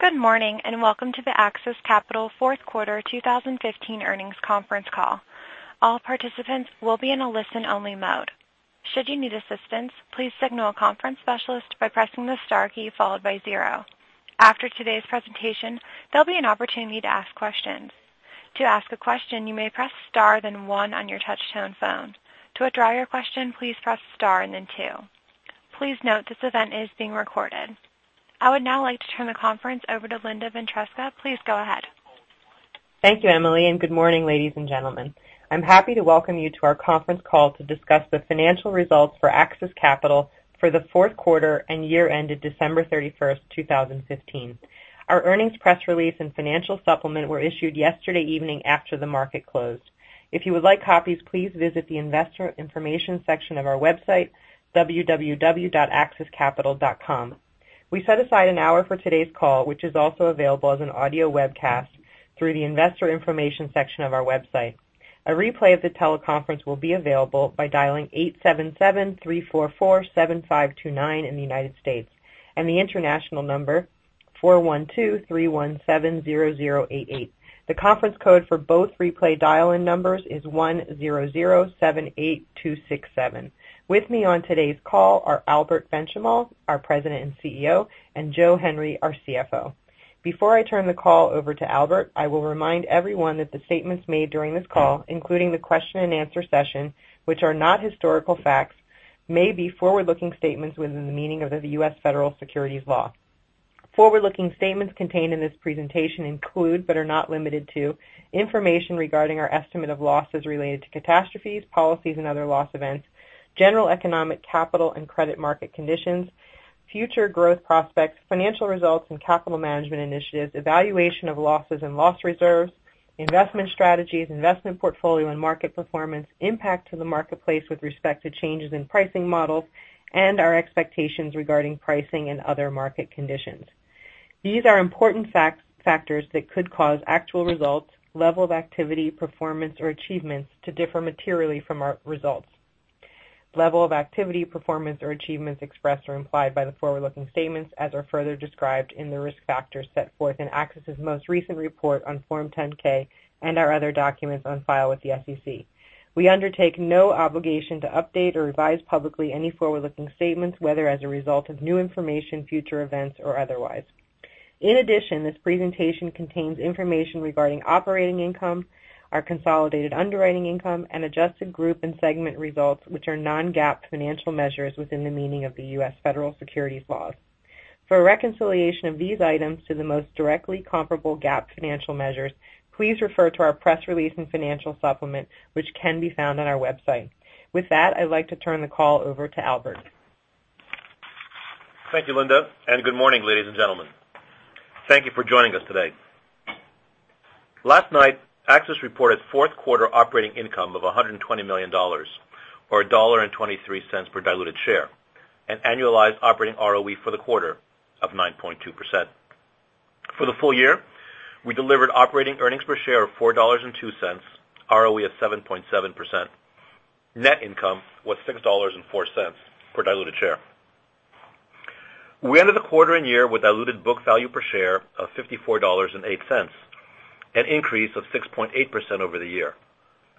Good morning, and welcome to the AXIS Capital fourth quarter 2015 earnings conference call. All participants will be in a listen-only mode. Should you need assistance, please signal a conference specialist by pressing the star key followed by zero. After today's presentation, there'll be an opportunity to ask questions. To ask a question, you may press star then one on your touch-tone phone. To withdraw your question, please press star and then two. Please note this event is being recorded. I would now like to turn the conference over to Linda Ventresca. Please go ahead. Thank you, Emily. Good morning, ladies and gentlemen. I'm happy to welcome you to our conference call to discuss the financial results for AXIS Capital for the fourth quarter and year-end to December 31st, 2015. Our earnings press release and financial supplement were issued yesterday evening after the market closed. If you would like copies, please visit the investor information section of our website, www.axiscapital.com. We set aside an hour for today's call, which is also available as an audio webcast through the investor information section of our website. A replay of the teleconference will be available by dialing 877-344-7529 in the United States, and the international number, 412-317-0088. The conference code for both replay dial-in numbers is 10078267. With me on today's call are Albert Benchimol, our President and CEO, and Joe Henry, our CFO. Before I turn the call over to Albert, I will remind everyone that the statements made during this call, including the question and answer session, which are not historical facts, may be forward-looking statements within the meaning of the U.S. Federal Securities Law. Forward-looking statements contained in this presentation include, but are not limited to, information regarding our estimate of losses related to catastrophes, policies, and other loss events, general economic, capital, and credit market conditions, future growth prospects, financial results and capital management initiatives, evaluation of losses and loss reserves, investment strategies, investment portfolio and market performance, impact to the marketplace with respect to changes in pricing models, and our expectations regarding pricing and other market conditions. These are important factors that could cause actual results, level of activity, performance, or achievements to differ materially from our results. Level of activity, performance, or achievements expressed or implied by the forward-looking statements as are further described in the risk factors set forth in AXIS's most recent report on Form 10-K and our other documents on file with the SEC. We undertake no obligation to update or revise publicly any forward-looking statements, whether as a result of new information, future events, or otherwise. In addition, this presentation contains information regarding operating income, our consolidated underwriting income, and adjusted group and segment results, which are non-GAAP financial measures within the meaning of the U.S. Federal Securities Laws. For a reconciliation of these items to the most directly comparable GAAP financial measures, please refer to our press release and financial supplement, which can be found on our website. With that, I'd like to turn the call over to Albert. Thank you, Linda, good morning, ladies and gentlemen. Thank you for joining us today. Last night, AXIS reported fourth quarter operating income of $120 million, or $1.23 per diluted share, an annualized operating ROE for the quarter of 9.2%. For the full year, we delivered operating earnings per share of $4.02, ROE of 7.7%. Net income was $6.04 per diluted share. We ended the quarter and year with diluted book value per share of $54.08, an increase of 6.8% over the year.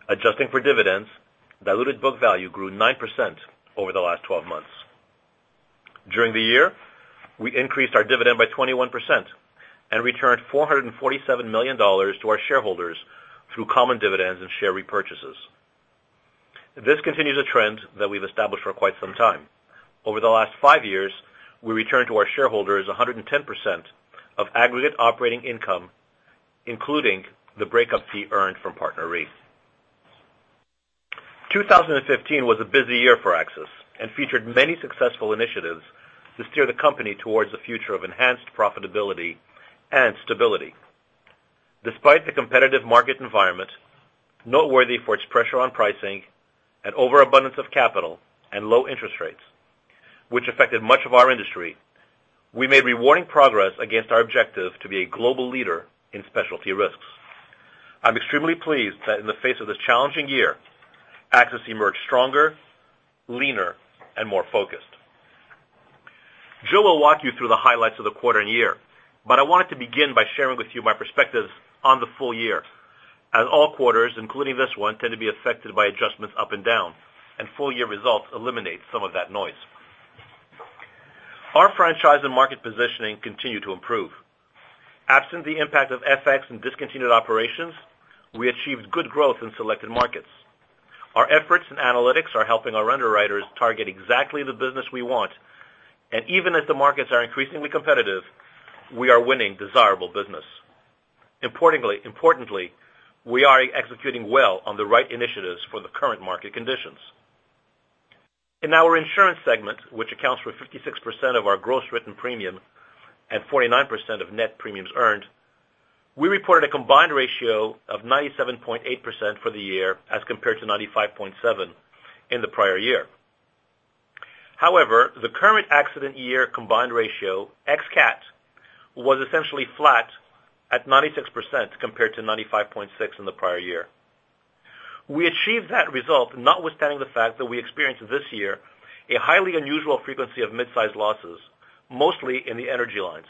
Adjusting for dividends, diluted book value grew 9% over the last 12 months. During the year, we increased our dividend by 21% and returned $447 million to our shareholders through common dividends and share repurchases. This continues a trend that we've established for quite some time. Over the last five years, we returned to our shareholders 110% of aggregate operating income, including the breakup fee earned from PartnerRe. 2015 was a busy year for AXIS featured many successful initiatives to steer the company towards a future of enhanced profitability and stability. Despite the competitive market environment, noteworthy for its pressure on pricing and overabundance of capital and low interest rates, which affected much of our industry, we made rewarding progress against our objective to be a global leader in specialty risks. I'm extremely pleased that in the face of this challenging year, AXIS emerged stronger, leaner, and more focused. Joe will walk you through the highlights of the quarter and year, I wanted to begin by sharing with you my perspectives on the full year, as all quarters, including this one, tend to be affected by adjustments up and down, full-year results eliminate some of that noise. Our franchise and market positioning continue to improve. Absent the impact of FX and discontinued operations, we achieved good growth in selected markets. Our efforts and analytics are helping our underwriters target exactly the business we want, even as the markets are increasingly competitive, we are winning desirable business. Importantly, we are executing well on the right initiatives for the current market conditions. In our insurance segment, which accounts for 56% of our gross written premium and 49% of net premiums earned, we reported a combined ratio of 97.8% for the year as compared to 95.7% in the prior year. The current accident year combined ratio, ex-cat, was essentially flat at 96% compared to 95.6% in the prior year. We achieved that result notwithstanding the fact that we experienced this year a highly unusual frequency of mid-size losses, mostly in the energy lines.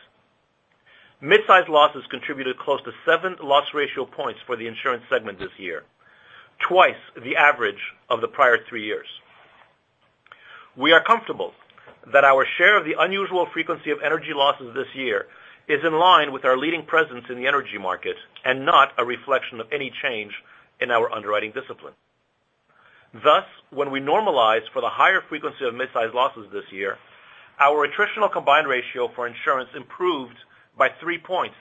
Mid-size losses contributed close to seven loss ratio points for the insurance segment this year, twice the average of the prior three years. We are comfortable that our share of the unusual frequency of energy losses this year is in line with our leading presence in the energy market and not a reflection of any change in our underwriting discipline. When we normalize for the higher frequency of mid-size losses this year, our attritional combined ratio for insurance improved by three points,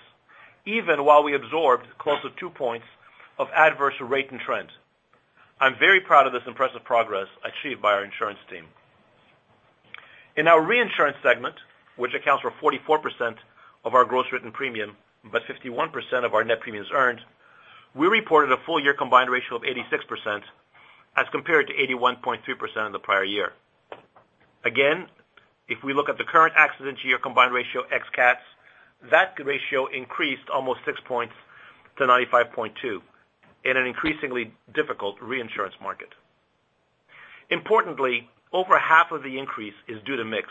even while we absorbed close to two points of adverse rate and trend. I'm very proud of this impressive progress achieved by our insurance team. In our reinsurance segment, which accounts for 44% of our gross written premium, but 51% of our net premiums earned, we reported a full year combined ratio of 86% as compared to 81.3% in the prior year. Again, if we look at the current accident year combined ratio ex-cats, that ratio increased almost six points to 95.2% in an increasingly difficult reinsurance market. Importantly, over half of the increase is due to mix.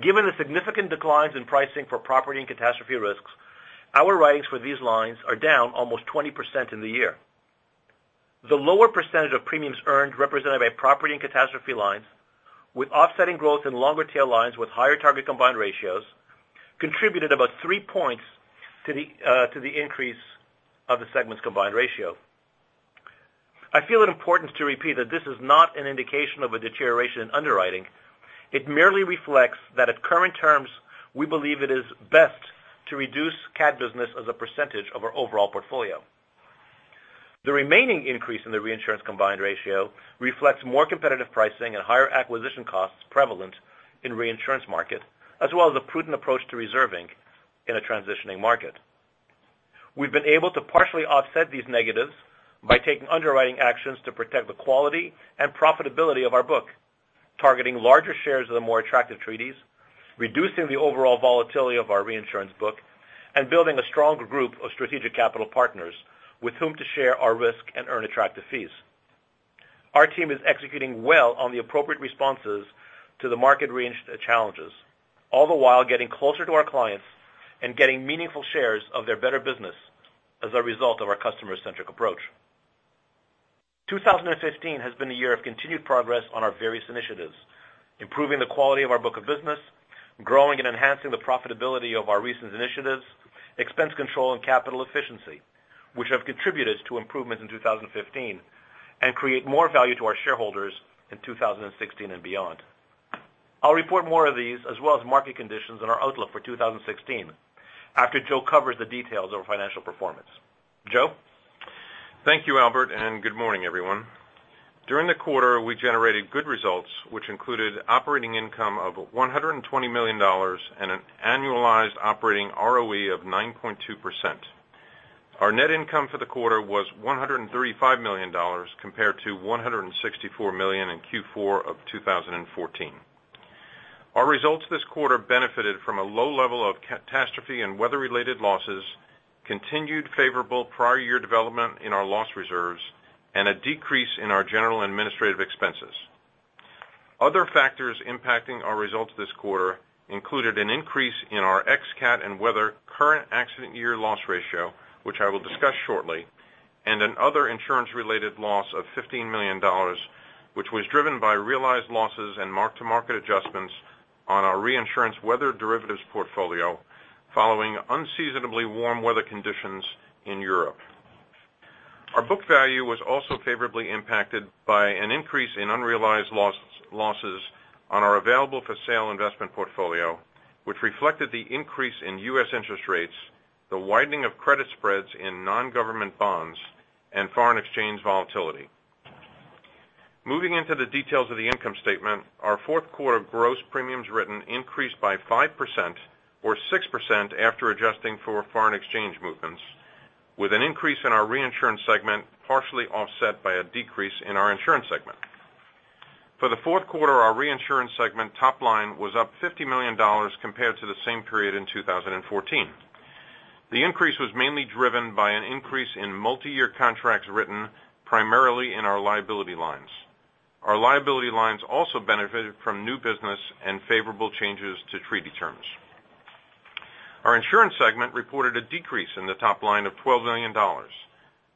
Given the significant declines in pricing for property and catastrophe risks, our writings for these lines are down almost 20% in the year. The lower percentage of premiums earned represented by property and catastrophe lines with offsetting growth in longer tail lines with higher target combined ratios contributed about three points to the increase of the segment's combined ratio. I feel it important to repeat that this is not an indication of a deterioration in underwriting. It merely reflects that at current terms, we believe it is best to reduce cat business as a percentage of our overall portfolio. The remaining increase in the reinsurance combined ratio reflects more competitive pricing and higher acquisition costs prevalent in reinsurance market, as well as a prudent approach to reserving in a transitioning market. We've been able to partially offset these negatives by taking underwriting actions to protect the quality and profitability of our book, targeting larger shares of the more attractive treaties, reducing the overall volatility of our reinsurance book, and building a stronger group of strategic capital partners with whom to share our risk and earn attractive fees. Our team is executing well on the appropriate responses to the market range of challenges, all the while getting closer to our clients and getting meaningful shares of their better business as a result of our customer-centric approach. 2015 has been a year of continued progress on our various initiatives, improving the quality of our book of business, growing and enhancing the profitability of our recent initiatives, expense control, and capital efficiency, which have contributed to improvements in 2015 and create more value to our shareholders in 2016 and beyond. I'll report more of these as well as market conditions and our outlook for 2016 after Joe covers the details of our financial performance. Joe? Thank you, Albert, and good morning, everyone. During the quarter, we generated good results, which included operating income of $120 million and an annualized operating ROE of 9.2%. Our net income for the quarter was $135 million compared to $164 million in Q4 of 2014. Our results this quarter benefited from a low level of catastrophe and weather-related losses, continued favorable prior year development in our loss reserves, and a decrease in our general administrative expenses. Other factors impacting our results this quarter included an increase in our ex cat and weather current accident year loss ratio, which I will discuss shortly, and an other insurance-related loss of $15 million, which was driven by realized losses and mark-to-market adjustments on our reinsurance weather derivatives portfolio following unseasonably warm weather conditions in Europe. Our book value was also favorably impacted by an increase in unrealized losses on our available-for-sale investment portfolio, which reflected the increase in U.S. interest rates, the widening of credit spreads in non-government bonds, and foreign exchange volatility. Moving into the details of the income statement, our fourth quarter gross premiums written increased by 5%, or 6% after adjusting for foreign exchange movements, with an increase in our Reinsurance segment partially offset by a decrease in our Insurance segment. For the fourth quarter, our Reinsurance segment top line was up $50 million compared to the same period in 2014. The increase was mainly driven by an increase in multiyear contracts written primarily in our liability lines. Our liability lines also benefited from new business and favorable changes to treaty terms. Our Insurance segment reported a decrease in the top line of $12 million.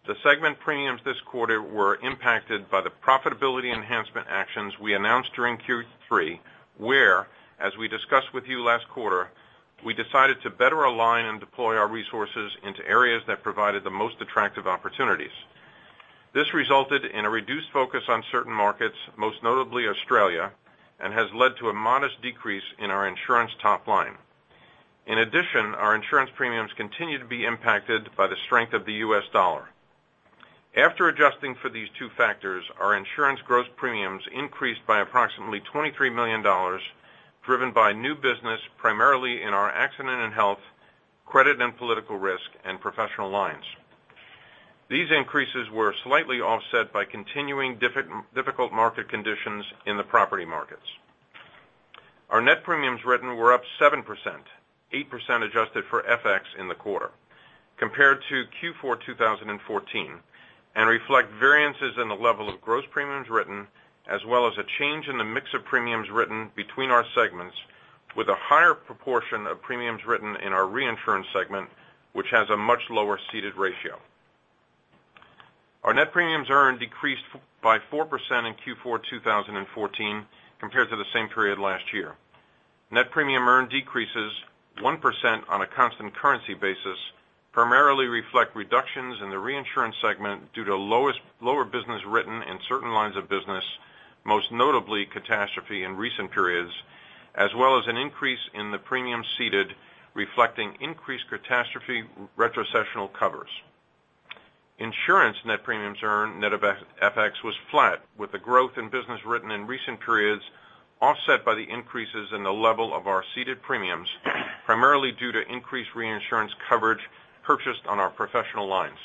The segment premiums this quarter were impacted by the profitability enhancement actions we announced during Q3, where, as we discussed with you last quarter, we decided to better align and deploy our resources into areas that provided the most attractive opportunities. This resulted in a reduced focus on certain markets, most notably Australia, and has led to a modest decrease in our insurance top line. In addition, our insurance premiums continue to be impacted by the strength of the U.S. dollar. After adjusting for these two factors, our insurance gross premiums increased by approximately $23 million, driven by new business primarily in our accident and health, credit and political risk, and professional lines. These increases were slightly offset by continuing difficult market conditions in the property markets. Our net premiums written were up 7%, 8% adjusted for FX in the quarter compared to Q4 2014, reflect variances in the level of gross premiums written, as well as a change in the mix of premiums written between our segments with a higher proportion of premiums written in our Reinsurance segment, which has a much lower ceded ratio. Our net premiums earned decreased by 4% in Q4 2014 compared to the same period last year. Net premium earned decreases 1% on a constant currency basis, primarily reflect reductions in the Reinsurance segment due to lower business written in certain lines of business, most notably catastrophe in recent periods, as well as an increase in the premium ceded reflecting increased catastrophe retrocessional covers. Insurance net premiums earned net of FX was flat, with the growth in business written in recent periods offset by the increases in the level of our ceded premiums, primarily due to increased reinsurance coverage purchased on our professional lines.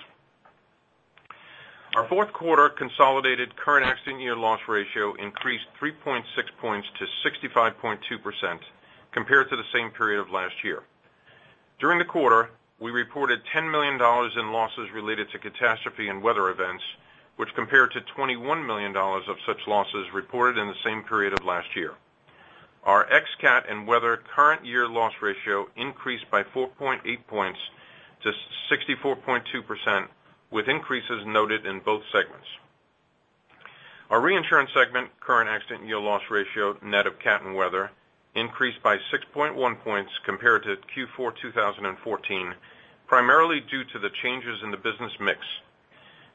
Our fourth quarter consolidated current accident year loss ratio increased 3.6 points to 65.2% compared to the same period of last year. During the quarter, we reported $10 million in losses related to catastrophe and weather events, which compared to $21 million of such losses reported in the same period of last year. Our ex-CAT and weather current year loss ratio increased by 4.8 points to 64.2%, with increases noted in both segments. Our reinsurance segment current accident year loss ratio, net of CAT and weather, increased by 6.1 points compared to Q4 2014, primarily due to the changes in the business mix.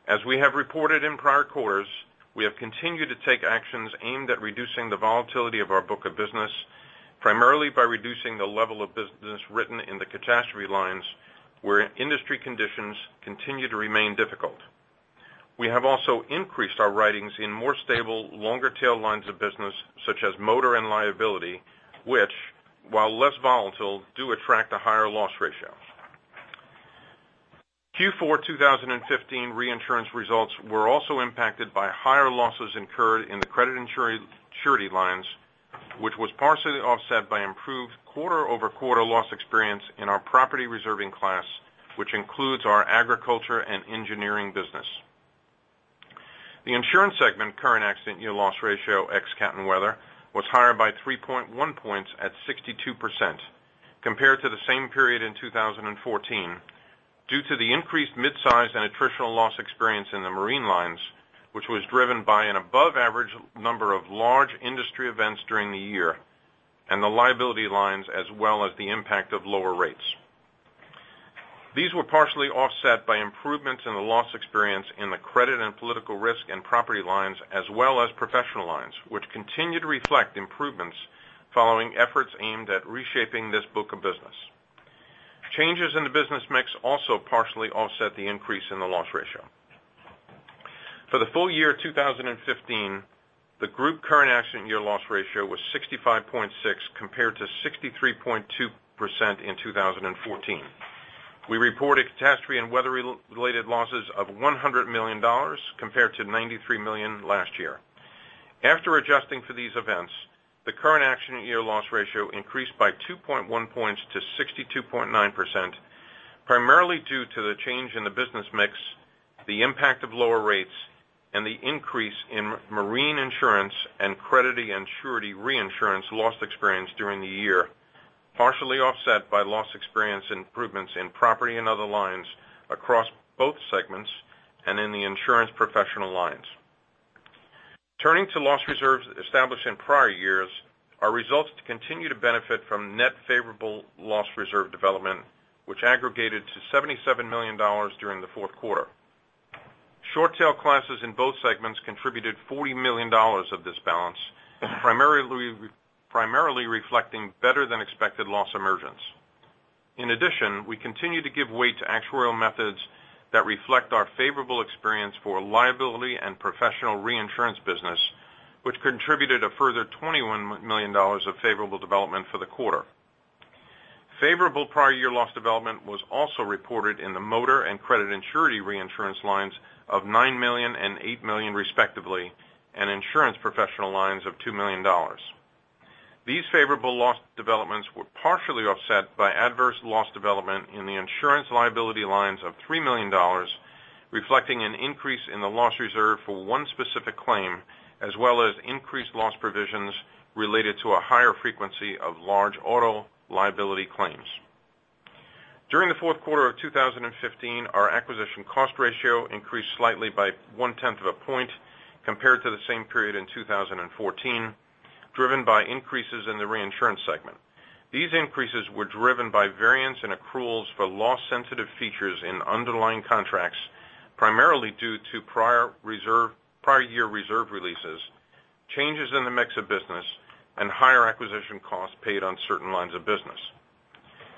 As we have reported in prior quarters, we have continued to take actions aimed at reducing the volatility of our book of business, primarily by reducing the level of business written in the catastrophe lines, where industry conditions continue to remain difficult. We have also increased our writings in more stable, longer tail lines of business such as motor and liability, which, while less volatile, do attract a higher loss ratio. Q4 2015 reinsurance results were also impacted by higher losses incurred in the credit and surety lines, which was partially offset by improved quarter-over-quarter loss experience in our property reserving class, which includes our agriculture and engineering business. The insurance segment current accident year loss ratio, ex CAT and weather, was higher by 3.1 points at 62% compared to the same period in 2014, due to the increased midsize and attritional loss experience in the marine lines, which was driven by an above-average number of large industry events during the year, and the liability lines, as well as the impact of lower rates. These were partially offset by improvements in the loss experience in the credit and political risk and property lines, as well as professional lines, which continue to reflect improvements following efforts aimed at reshaping this book of business. Changes in the business mix also partially offset the increase in the loss ratio. For the full year 2015, the group current accident year loss ratio was 65.6% compared to 63.2% in 2014. We reported catastrophe and weather-related losses of $100 million compared to $93 million last year. After adjusting for these events, the current accident year loss ratio increased by 2.1 points to 62.9%, primarily due to the change in the business mix, the impact of lower rates, and the increase in marine insurance and credit and surety reinsurance loss experience during the year, partially offset by loss experience improvements in property and other lines across both segments and in the insurance professional lines. Turning to loss reserves established in prior years, our results continue to benefit from net favorable loss reserve development, which aggregated to $77 million during the fourth quarter. Short tail classes in both segments contributed $40 million of this balance, primarily reflecting better than expected loss emergence. In addition, we continue to give weight to actuarial methods that reflect our favorable experience for liability and professional reinsurance business, which contributed a further $21 million of favorable development for the quarter. Favorable prior year loss development was also reported in the motor and credit and surety reinsurance lines of $9 million and $8 million respectively, and insurance professional lines of $2 million. These favorable loss developments were partially offset by adverse loss development in the insurance liability lines of $3 million, reflecting an increase in the loss reserve for one specific claim, as well as increased loss provisions related to a higher frequency of large auto liability claims. During the fourth quarter of 2015, our acquisition cost ratio increased slightly by one tenth of a point compared to the same period in 2014, driven by increases in the reinsurance segment. These increases were driven by variance in accruals for loss sensitive features in underlying contracts, primarily due to prior year reserve releases, changes in the mix of business, and higher acquisition costs paid on certain lines of business.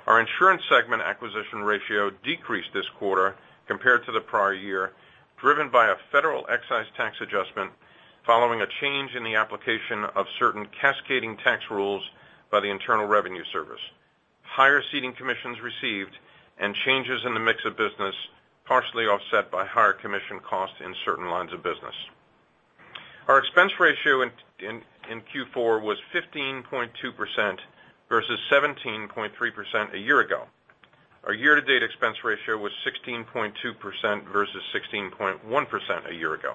Our insurance segment acquisition ratio decreased this quarter compared to the prior year, driven by a federal excise tax adjustment following a change in the application of certain cascading tax rules by the Internal Revenue Service. Higher ceding commissions received and changes in the mix of business, partially offset by higher commission costs in certain lines of business. Our expense ratio in Q4 was 15.2% versus 17.3% a year ago. Our year-to-date expense ratio was 16.2% versus 16.1% a year ago.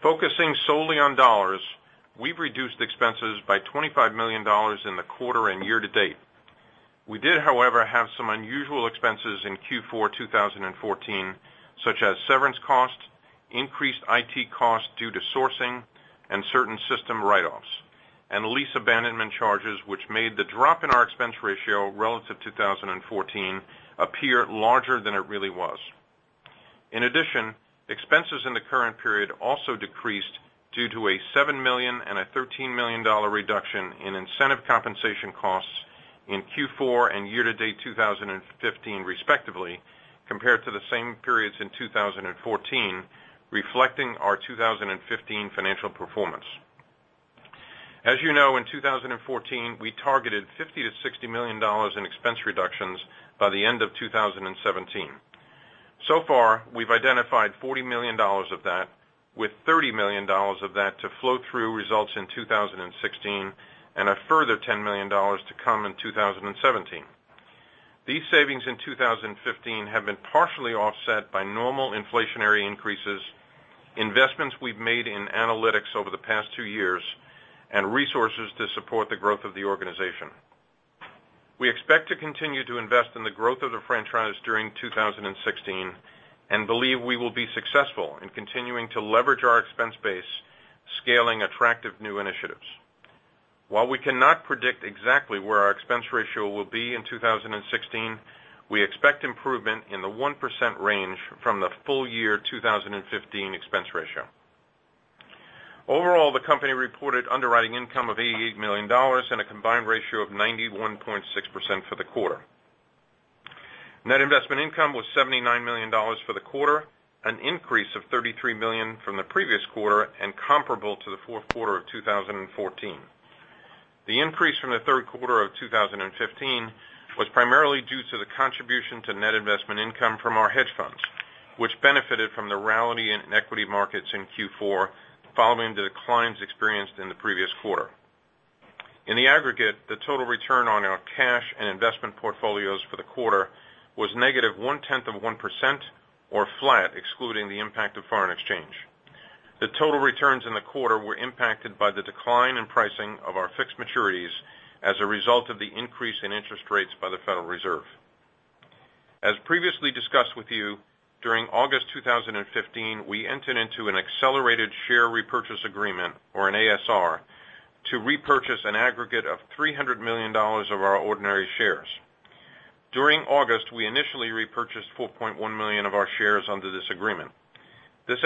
Focusing solely on dollars, we've reduced expenses by $25 million in the quarter and year-to-date. We did, however, have some unusual expenses in Q4 2014, such as severance costs, increased IT costs due to sourcing and certain system write-offs, and lease abandonment charges, which made the drop in our expense ratio relative 2014 appear larger than it really was. In addition, expenses in the current period also decreased due to a $7 million and a $13 million reduction in incentive compensation costs in Q4 and year-to-date 2015 respectively, compared to the same periods in 2014, reflecting our 2015 financial performance. As you know, in 2014, we targeted $50 million-$60 million in expense reductions by the end of 2017. So far, we've identified $40 million of that, with $30 million of that to flow through results in 2016 and a further $10 million to come in 2017. These savings in 2015 have been partially offset by normal inflationary increases, investments we've made in analytics over the past two years, and resources to support the growth of the organization. We expect to continue to invest in the growth of the franchise during 2016 and believe we will be successful in continuing to leverage our expense base, scaling attractive new initiatives. While we cannot predict exactly where our expense ratio will be in 2016, we expect improvement in the 1% range from the full year 2015 expense ratio. Overall, the company reported underwriting income of $88 million and a combined ratio of 91.6% for the quarter. Net investment income was $79 million for the quarter, an increase of $33 million from the previous quarter, and comparable to the fourth quarter of 2014. The increase from the third quarter of 2015 was primarily due to the contribution to net investment income from our hedge funds, which benefited from the rally in equity markets in Q4, following the declines experienced in the previous quarter. In the aggregate, the total return on our cash and investment portfolios for the quarter was negative one-tenth of 1%, or flat excluding the impact of foreign exchange. The total returns in the quarter were impacted by the decline in pricing of our fixed maturities as a result of the increase in interest rates by the Federal Reserve. As previously discussed with you, during August 2015, we entered into an accelerated share repurchase agreement, or an ASR, to repurchase an aggregate of $300 million of our ordinary shares. During August, we initially repurchased 4.1 million of our shares under this agreement. This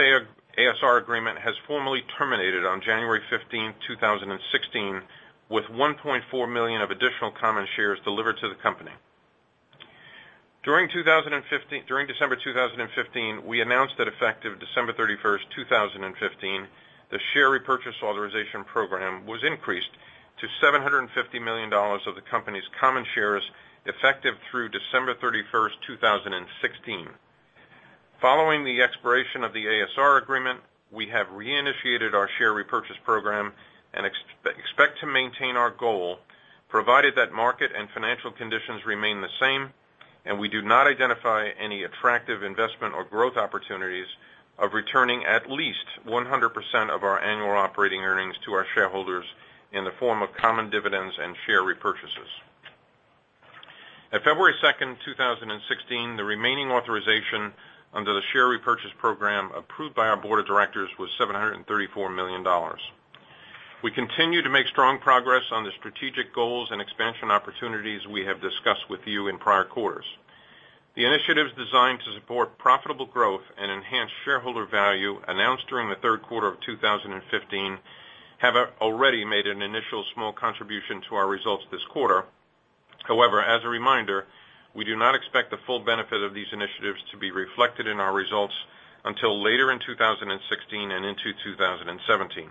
ASR agreement has formally terminated on January 15, 2016, with 1.4 million of additional common shares delivered to the company. During December 2015, we announced that effective December 31st, 2015, the share repurchase authorization program was increased to $750 million of the company's common shares, effective through December 31st, 2016. Following the expiration of the ASR agreement, we have reinitiated our share repurchase program and expect to maintain our goal, provided that market and financial conditions remain the same, and we do not identify any attractive investment or growth opportunities of returning at least 100% of our annual operating earnings to our shareholders in the form of common dividends and share repurchases. At February 2nd, 2016, the remaining authorization under the share repurchase program approved by our board of directors was $734 million. We continue to make strong progress on the strategic goals and expansion opportunities we have discussed with you in prior quarters. The initiatives designed to support profitable growth and enhance shareholder value announced during the third quarter of 2015 have already made an initial small contribution to our results this quarter. However, as a reminder, we do not expect the full benefit of these initiatives to be reflected in our results until later in 2016 and into 2017.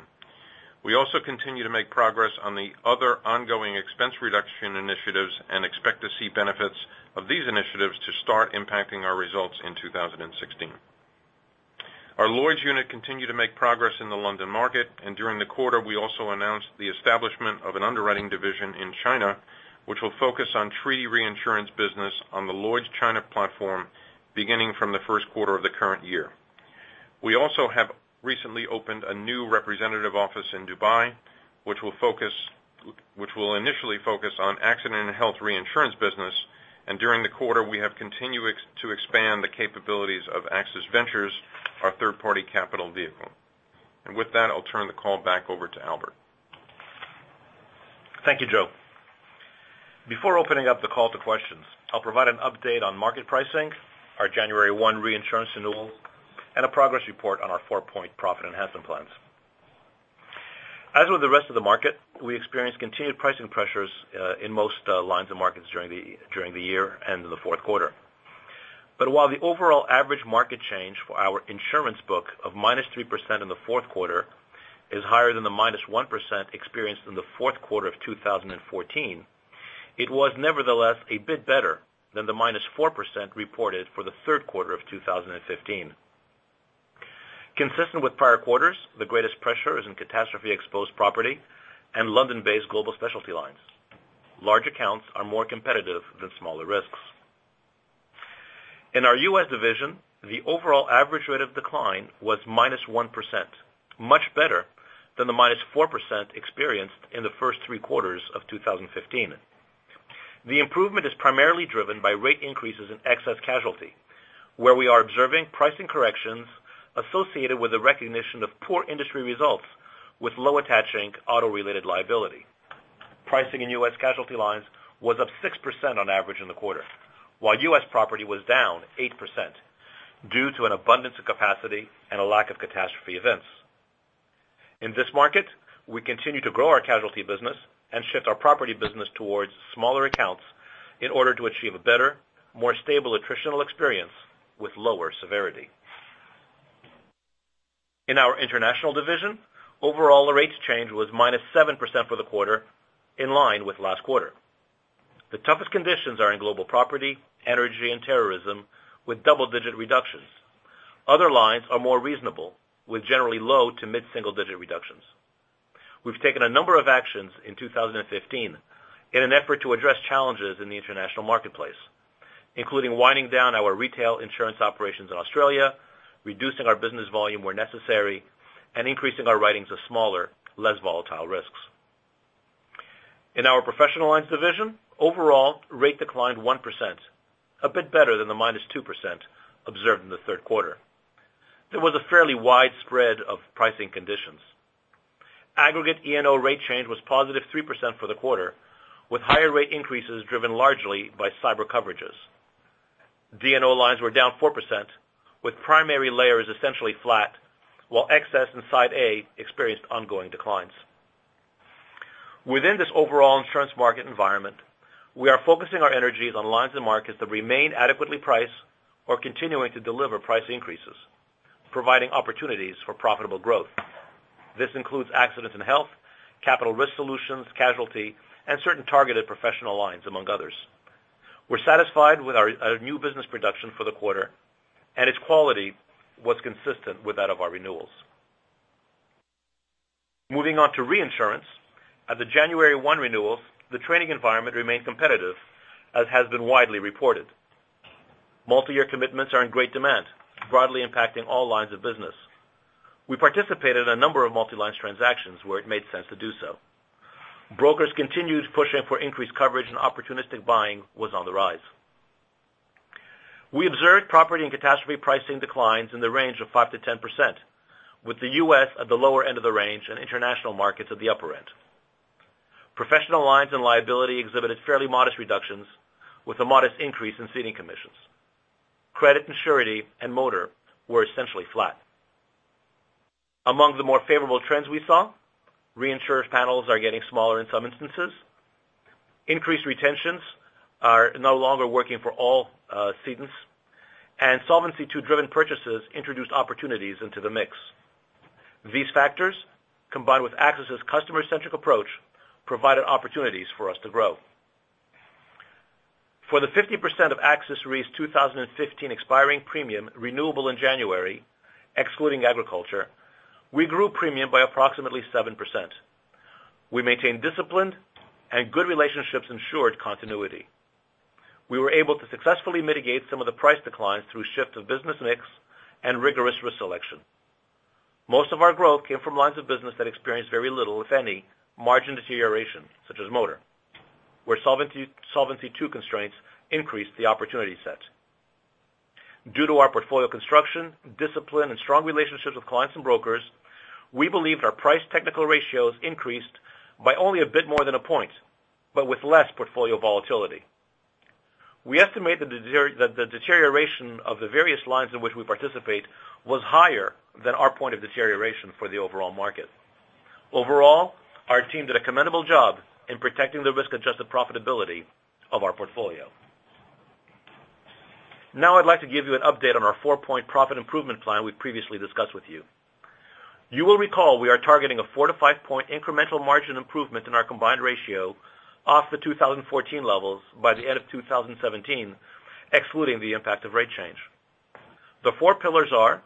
We also continue to make progress on the other ongoing expense reduction initiatives and expect to see benefits of these initiatives to start impacting our results in 2016. Our Lloyd's unit continued to make progress in the London market. During the quarter, we also announced the establishment of an underwriting division in China, which will focus on treaty reinsurance business on the Lloyd's China platform beginning from the first quarter of the current year. We also have recently opened a new representative office in Dubai, which will initially focus on accident and health reinsurance business. During the quarter, we have continued to expand the capabilities of AXIS Ventures, our third-party capital vehicle. With that, I'll turn the call back over to Albert. Thank you, Joe. Before opening up the call to questions, I'll provide an update on market pricing, our January 1 reinsurance renewal, and a progress report on our four-point profit enhancement plans. As with the rest of the market, we experienced continued pricing pressures in most lines of markets during the year and in the fourth quarter. While the overall average market change for our insurance book of -3% in the fourth quarter is higher than the -1% experienced in the fourth quarter of 2014, it was nevertheless a bit better than the -4% reported for the third quarter of 2015. Consistent with prior quarters, the greatest pressure is in catastrophe-exposed property and London-based global specialty lines. Large accounts are more competitive than smaller risks. In our U.S. division, the overall average rate of decline was -1%, much better than the -4% experienced in the first three quarters of 2015. The improvement is primarily driven by rate increases in excess casualty, where we are observing pricing corrections associated with the recognition of poor industry results with low attaching auto-related liability. Pricing in U.S. casualty lines was up 6% on average in the quarter, while U.S. property was down 8% due to an abundance of capacity and a lack of catastrophe events. In this market, we continue to grow our casualty business and shift our property business towards smaller accounts in order to achieve a better, more stable attritional experience with lower severity. In our international division, overall rates change was -7% for the quarter, in line with last quarter. The toughest conditions are in global property, energy, and terrorism, with double-digit reductions. Other lines are more reasonable, with generally low to mid-single-digit reductions. We've taken a number of actions in 2015 in an effort to address challenges in the international marketplace, including winding down our retail insurance operations in Australia, reducing our business volume where necessary, and increasing our writings of smaller, less volatile risks. In our professional lines division, overall rate declined 1%, a bit better than the -2% observed in the third quarter. There was a fairly wide spread of pricing conditions. Aggregate E&O rate change was +3% for the quarter, with higher rate increases driven largely by cyber coverages. D&O lines were down 4%, with primary layers essentially flat, while excess and Side A experienced ongoing declines. Within this overall insurance market environment, we are focusing our energies on lines and markets that remain adequately priced or continuing to deliver price increases, providing opportunities for profitable growth. This includes accidents and health, capital risk solutions, casualty, and certain targeted professional lines, among others. We're satisfied with our new business production for the quarter, and its quality was consistent with that of our renewals. Moving on to reinsurance. At the January 1 renewals, the trading environment remained competitive as has been widely reported. Multi-year commitments are in great demand, broadly impacting all lines of business. We participated in a number of multi-line transactions where it made sense to do so. Brokers continued pushing for increased coverage and opportunistic buying was on the rise. We observed property and catastrophe pricing declines in the range of 5%-10%, with the U.S. at the lower end of the range and international markets at the upper end. Professional lines and liability exhibited fairly modest reductions with a modest increase in ceding commissions. Credit and surety and motor were essentially flat. Among the more favorable trends we saw, reinsurers panels are getting smaller in some instances, increased retentions are no longer working for all cedents, and Solvency II-driven purchases introduced opportunities into the mix. These factors, combined with AXIS's customer-centric approach, provided opportunities for us to grow. For the 50% of AXIS Re's 2015 expiring premium renewable in January, excluding agriculture, we grew premium by approximately 7%. We maintained discipline and good relationships ensured continuity. We were able to successfully mitigate some of the price declines through shift of business mix and rigorous risk selection. Most of our growth came from lines of business that experienced very little, if any, margin deterioration, such as motor, where Solvency II constraints increased the opportunity set. Due to our portfolio construction, discipline, and strong relationships with clients and brokers, we believe our price technical ratios increased by only a bit more than a point, but with less portfolio volatility. We estimate that the deterioration of the various lines in which we participate was higher than our point of deterioration for the overall market. Overall, our team did a commendable job in protecting the risk-adjusted profitability of our portfolio. Now I'd like to give you an update on our four-point profit improvement plan we previously discussed with you. You will recall we are targeting a four- to five-point incremental margin improvement in our combined ratio off the 2014 levels by the end of 2017, excluding the impact of rate change. The 4 pillars are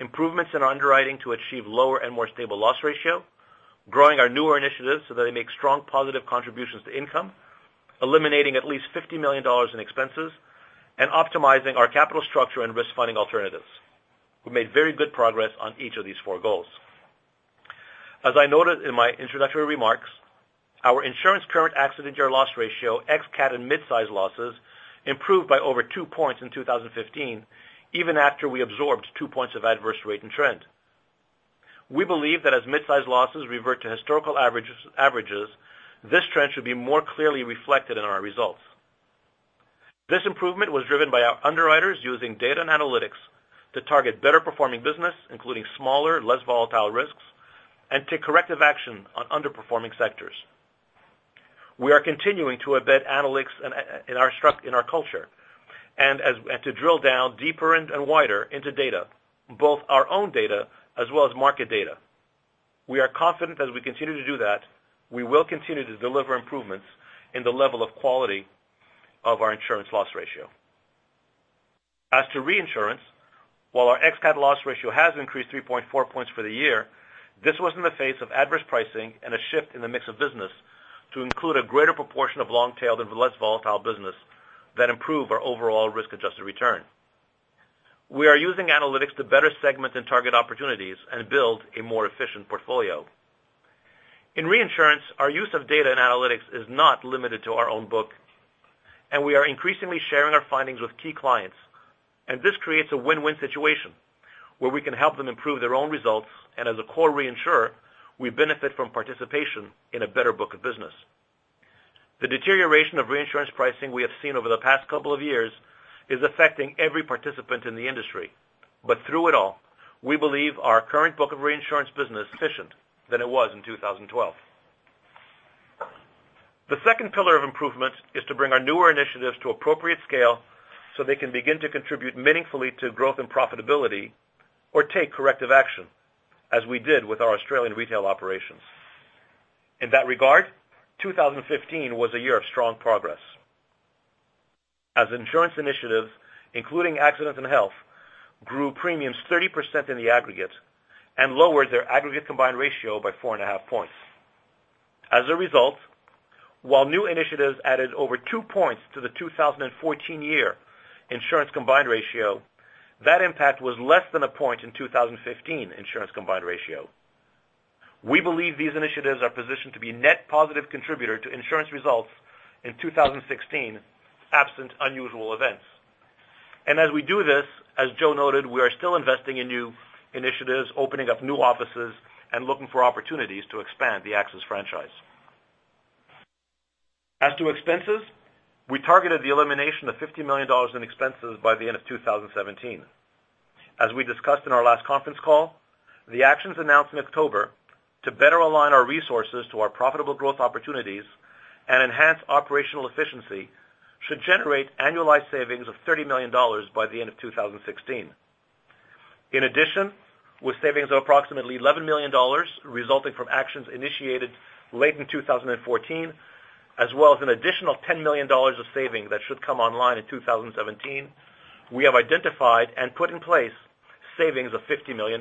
improvements in underwriting to achieve lower and more stable loss ratio, growing our newer initiatives so that they make strong positive contributions to income, eliminating at least $50 million in expenses, and optimizing our capital structure and risk funding alternatives. We made very good progress on each of these 4 goals. As I noted in my introductory remarks, our insurance current accident year loss ratio, ex-cat and mid-sized losses, improved by over 2 points in 2015, even after we absorbed 2 points of adverse rate and trend. We believe that as mid-sized losses revert to historical averages, this trend should be more clearly reflected in our results. This improvement was driven by our underwriters using data and analytics to target better performing business, including smaller, less volatile risks, and take corrective action on underperforming sectors. We are continuing to embed analytics in our culture, and to drill down deeper and wider into data, both our own data as well as market data. We are confident as we continue to do that, we will continue to deliver improvements in the level of quality of our insurance loss ratio. As to reinsurance, while our ex-cat loss ratio has increased 3.4 points for the year, this was in the face of adverse pricing and a shift in the mix of business to include a greater proportion of long-tailed and less volatile business that improve our overall risk-adjusted return. We are using analytics to better segment and target opportunities and build a more efficient portfolio. In reinsurance, our use of data and analytics is not limited to our own book. We are increasingly sharing our findings with key clients. This creates a win-win situation where we can help them improve their own results. As a core reinsurer, we benefit from participation in a better book of business. The deterioration of reinsurance pricing we have seen over the past couple of years is affecting every participant in the industry. Through it all, we believe our current book of reinsurance business efficient than it was in 2012. The second pillar of improvement is to bring our newer initiatives to appropriate scale so they can begin to contribute meaningfully to growth and profitability or take corrective action, as we did with our Australian retail operations. In that regard, 2015 was a year of strong progress. As insurance initiatives, including accidents and health, grew premiums 30% in the aggregate and lowered their aggregate combined ratio by four and a half points. As a result, while new initiatives added over two points to the 2014 year insurance combined ratio, that impact was less than a point in 2015 insurance combined ratio. We believe these initiatives are positioned to be net positive contributor to insurance results in 2016, absent unusual events. As we do this, as Joe noted, we are still investing in new initiatives, opening up new offices, and looking for opportunities to expand the AXIS franchise. As to expenses, we targeted the elimination of $50 million in expenses by the end of 2017. As we discussed in our last conference call, the actions announced in October to better align our resources to our profitable growth opportunities and enhance operational efficiency should generate annualized savings of $30 million by the end of 2016. In addition, with savings of approximately $11 million resulting from actions initiated late in 2014, as well as an additional $10 million of saving that should come online in 2017, we have identified and put in place savings of $50 million.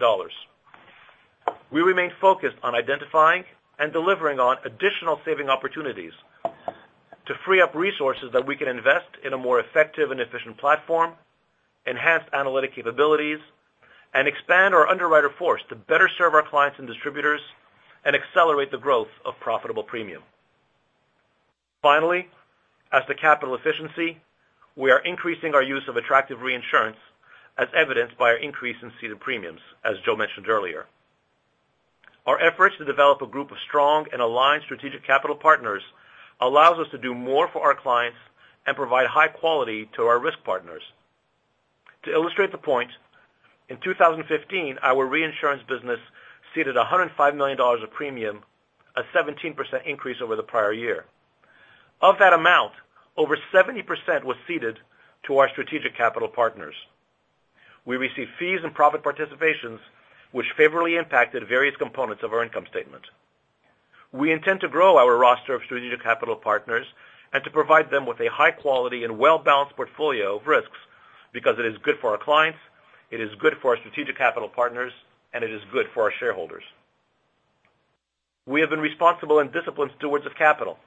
We remain focused on identifying and delivering on additional saving opportunities to free up resources that we can invest in a more effective and efficient platform, enhance analytic capabilities, and expand our underwriter force to better serve our clients and distributors and accelerate the growth of profitable premium. Finally, as to capital efficiency, we are increasing our use of attractive reinsurance as evidenced by our increase in ceded premiums, as Joe mentioned earlier. Our efforts to develop a group of strong and aligned strategic capital partners allows us to do more for our clients and provide high quality to our risk partners. To illustrate the point, in 2015, our reinsurance business ceded $105 million of premium, a 17% increase over the prior year. Of that amount, over 70% was ceded to our strategic capital partners. We received fees and profit participations which favorably impacted various components of our income statement. We intend to grow our roster of strategic capital partners and to provide them with a high quality and well-balanced portfolio of risks because it is good for our clients, it is good for our strategic capital partners, and it is good for our shareholders. We have been responsible and disciplined stewards of capital.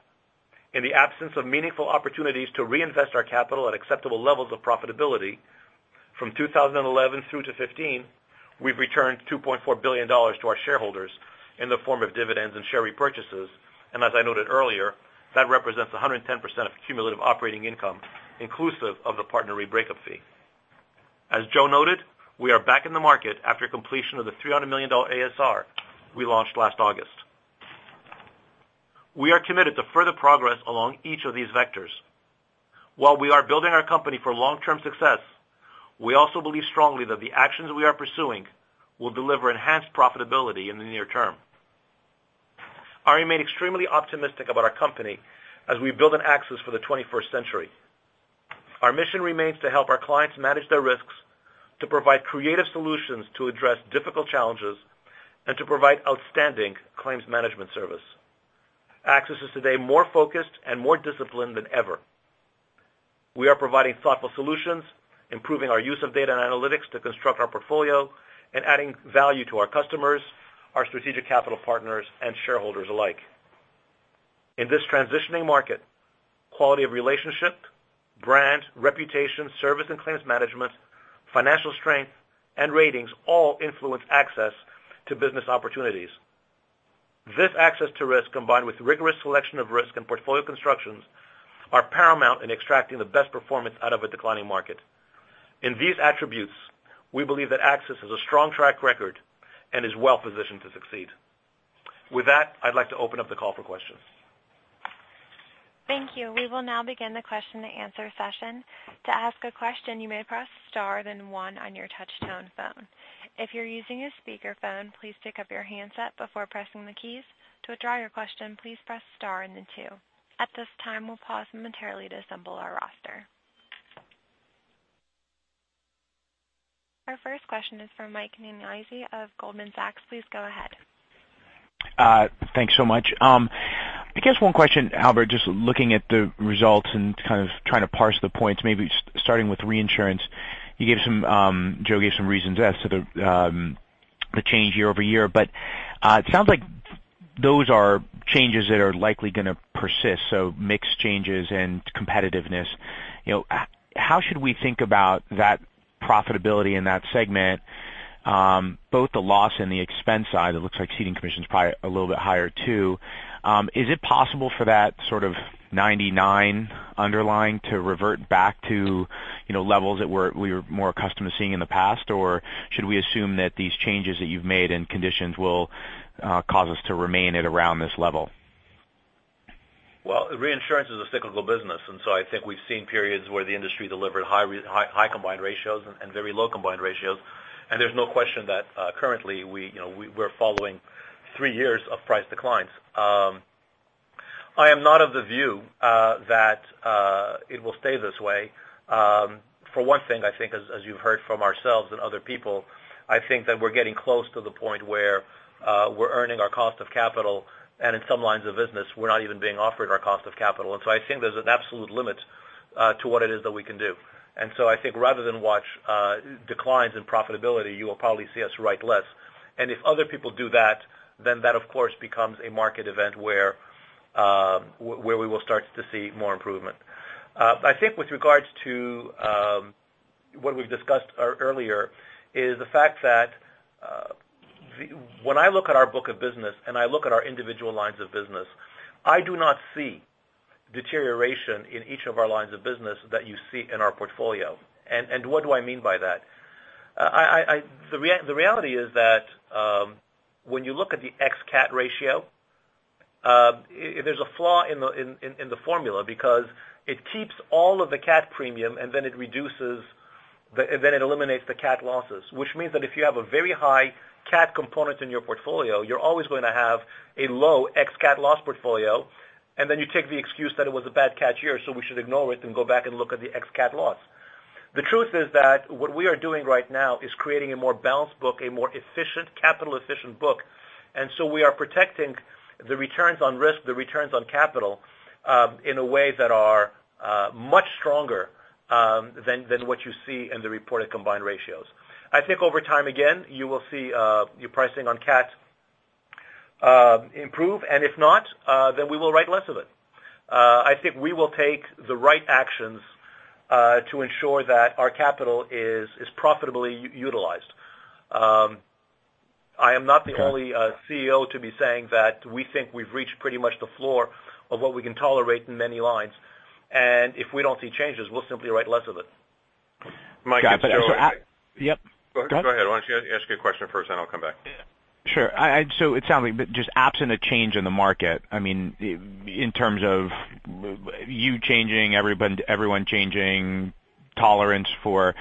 In the absence of meaningful opportunities to reinvest our capital at acceptable levels of profitability from 2011 through to 2015, we've returned $2.4 billion to our shareholders in the form of dividends and share repurchases. As I noted earlier, that represents 110% of cumulative operating income, inclusive of the PartnerRe breakup fee. As Joe noted, we are back in the market after completion of the $300 million ASR we launched last August. We are committed to further progress along each of these vectors. While we are building our company for long-term success, we also believe strongly that the actions we are pursuing will deliver enhanced profitability in the near term. I remain extremely optimistic about our company as we build an AXIS for the 21st century. Our mission remains to help our clients manage their risks, to provide creative solutions to address difficult challenges, and to provide outstanding claims management service. AXIS is today more focused and more disciplined than ever. We are providing thoughtful solutions, improving our use of data and analytics to construct our portfolio and adding value to our customers, our strategic capital partners, and shareholders alike. In this transitioning market, quality of relationship, brand, reputation, service and claims management, financial strength, and ratings all influence access to business opportunities. This access to risk, combined with rigorous selection of risk and portfolio constructions, are paramount in extracting the best performance out of a declining market. In these attributes, we believe that AXIS has a strong track record and is well positioned to succeed. With that, I'd like to open up the call for questions. Thank you. We will now begin the question and answer session. To ask a question, you may press star then one on your touch-tone phone. If you're using a speakerphone, please pick up your handset before pressing the keys. To withdraw your question, please press star and then two. At this time, we'll pause momentarily to assemble our roster. Our first question is from Michael Nannizzi of Goldman Sachs. Please go ahead. Thanks so much. I guess one question, Albert, just looking at the results and kind of trying to parse the points, maybe starting with reinsurance. Joe gave some reasons as to the change year-over-year, but it sounds like those are changes that are likely going to persist, so mix changes and competitiveness. How should we think about that profitability in that segment, both the loss and the expense side? It looks like ceding commission's probably a little bit higher too. Is it possible for that sort of 99 underlying to revert back to levels that we're more accustomed to seeing in the past? Or should we assume that these changes that you've made and conditions will cause us to remain at around this level? Well, reinsurance is a cyclical business. I think we've seen periods where the industry delivered high combined ratios and very low combined ratios, and there's no question that currently we're following three years of price declines. I am not of the view that it will stay this way. For one thing, I think as you've heard from ourselves and other people, I think that we're getting close to the point where we're earning our cost of capital, and in some lines of business, we're not even being offered our cost of capital. I think there's an absolute limit to what it is that we can do. I think rather than watch declines in profitability, you will probably see us write less. If other people do that, then that, of course, becomes a market event where we will start to see more improvement. I think with regards to what we've discussed earlier, is the fact that when I look at our book of business, and I look at our individual lines of business, I do not see deterioration in each of our lines of business that you see in our portfolio. What do I mean by that? The reality is that when you look at the ex-CAT ratio, there's a flaw in the formula because it keeps all of the CAT premium, then it eliminates the CAT losses. Which means that if you have a very high CAT component in your portfolio, you're always going to have a low ex-CAT loss portfolio, then you take the excuse that it was a bad CAT year, we should ignore it and go back and look at the ex-CAT loss. The truth is that what we are doing right now is creating a more balanced book, a more capital efficient book. We are protecting the returns on risk, the returns on capital in a way that are much stronger than what you see in the reported combined ratios. I think over time, again, you will see your pricing on CAT improve. If not, then we will write less of it. I think we will take the right actions to ensure that our capital is profitably utilized. I am not the only CEO to be saying that we think we've reached pretty much the floor of what we can tolerate in many lines. If we don't see changes, we'll simply write less of it. Got it. Mike, it's Joe again. Yep. Go ahead. Go ahead. Why don't you ask your question first, then I'll come back. Sure. It sounds like just absent a change in the market, in terms of you changing, everyone changing tolerance for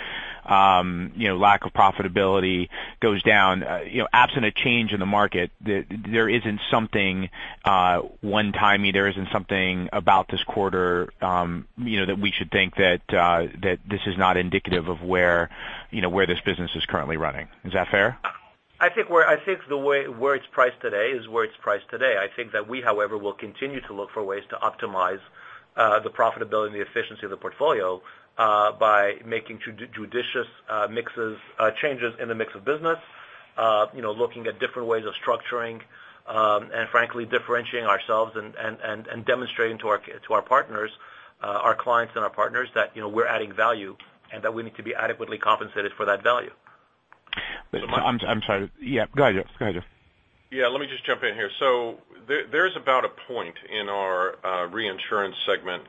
lack of profitability goes down. Absent a change in the market, there isn't something one-timey, there isn't something about this quarter that we should think that this is not indicative of where this business is currently running. Is that fair? I think where it's priced today is where it's priced today. I think that we, however, will continue to look for ways to optimize the profitability and the efficiency of the portfolio by making judicious changes in the mix of business, looking at different ways of structuring, and frankly, differentiating ourselves and demonstrating to our clients and our partners that we're adding value and that we need to be adequately compensated for that value. I'm sorry. Yeah, go ahead, Joe. Yeah. Let me just jump in here. There's about a point in our reinsurance segment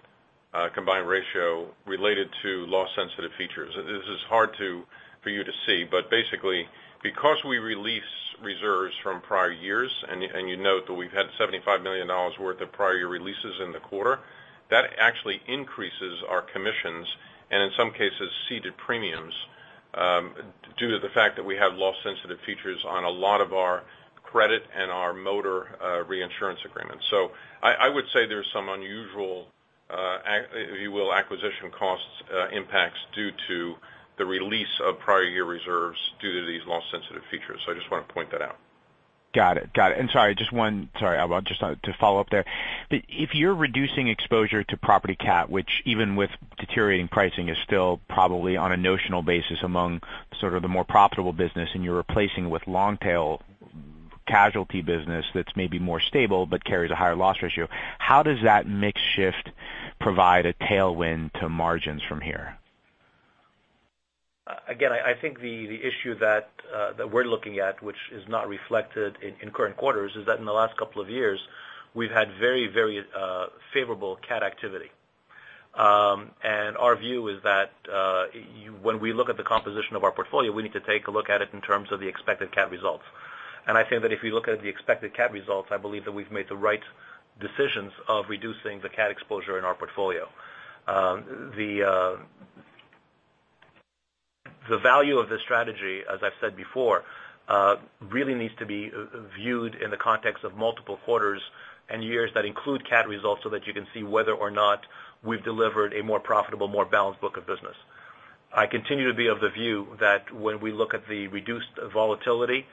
combined ratio related to loss sensitive features. This is hard for you to see, but basically because we release reserves from prior years, and you note that we've had $75 million worth of prior year releases in the quarter. That actually increases our commissions and in some cases, ceded premiums due to the fact that we have loss sensitive features on a lot of our credit and our motor reinsurance agreements. I would say there's some unusual, if you will, acquisition cost impacts due to the release of prior year reserves due to these loss sensitive features. I just want to point that out. Got it. Sorry, Albert, just to follow up there. If you're reducing exposure to property CAT, which even with deteriorating pricing is still probably on a notional basis among sort of the more profitable business, and you're replacing with long tail casualty business that's maybe more stable but carries a higher loss ratio, how does that mix shift provide a tailwind to margins from here? I think the issue that we're looking at, which is not reflected in current quarters, is that in the last couple of years, we've had very favorable CAT activity. Our view is that when we look at the composition of our portfolio, we need to take a look at it in terms of the expected CAT results. I think that if you look at the expected CAT results, I believe that we've made the right decisions of reducing the CAT exposure in our portfolio. The value of this strategy, as I've said before, really needs to be viewed in the context of multiple quarters and years that include CAT results, so that you can see whether or not we've delivered a more profitable, more balanced book of business. I continue to be of the view that when we look at the reduced volatility,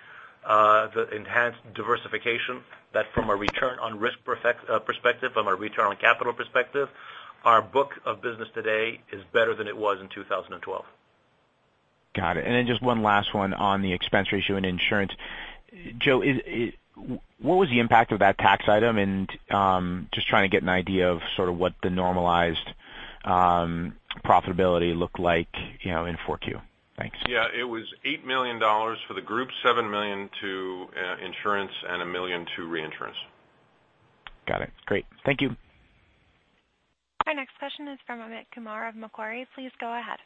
the enhanced diversification, that from a return on risk perspective, from a return on capital perspective, our book of business today is better than it was in 2012. Got it. Just one last one on the expense ratio in insurance. Joe, what was the impact of that tax item? Just trying to get an idea of sort of what the normalized profitability looked like in 4Q. Thanks. Yeah. It was $8 million for the group, $7 million to insurance, and $1 million to reinsurance. Got it. Great. Thank you. Our next question is from Amit Kumar of Macquarie. Please go ahead.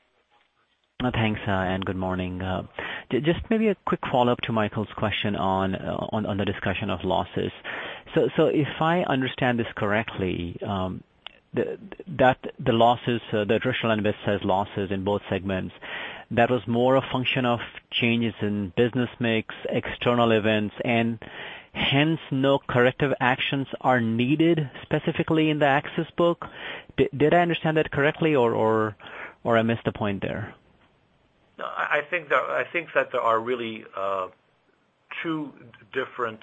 Thanks, and good morning. Just maybe a quick follow-up to Michael's question on the discussion of losses. If I understand this correctly, the additional investors losses in both segments, that was more a function of changes in business mix, external events, and hence, no corrective actions are needed specifically in the AXIS book. Did I understand that correctly, or I missed the point there? No, I think that there are really two different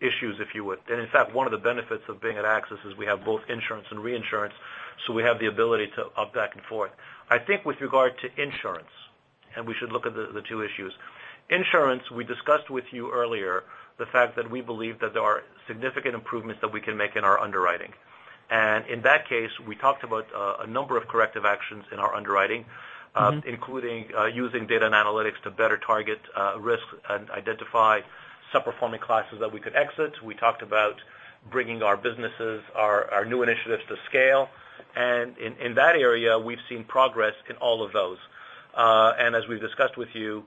issues, if you would. In fact, one of the benefits of being at AXIS is we have both insurance and reinsurance, we have the ability to hop back and forth. I think with regard to insurance, and we should look at the two issues. Insurance, we discussed with you earlier the fact that we believe that there are significant improvements that we can make in our underwriting. In that case, we talked about a number of corrective actions in our underwriting, including using data and analytics to better target risks and identify sub-performing classes that we could exit. We talked about bringing our businesses, our new initiatives to scale. In that area, we've seen progress in all of those. As we've discussed with you,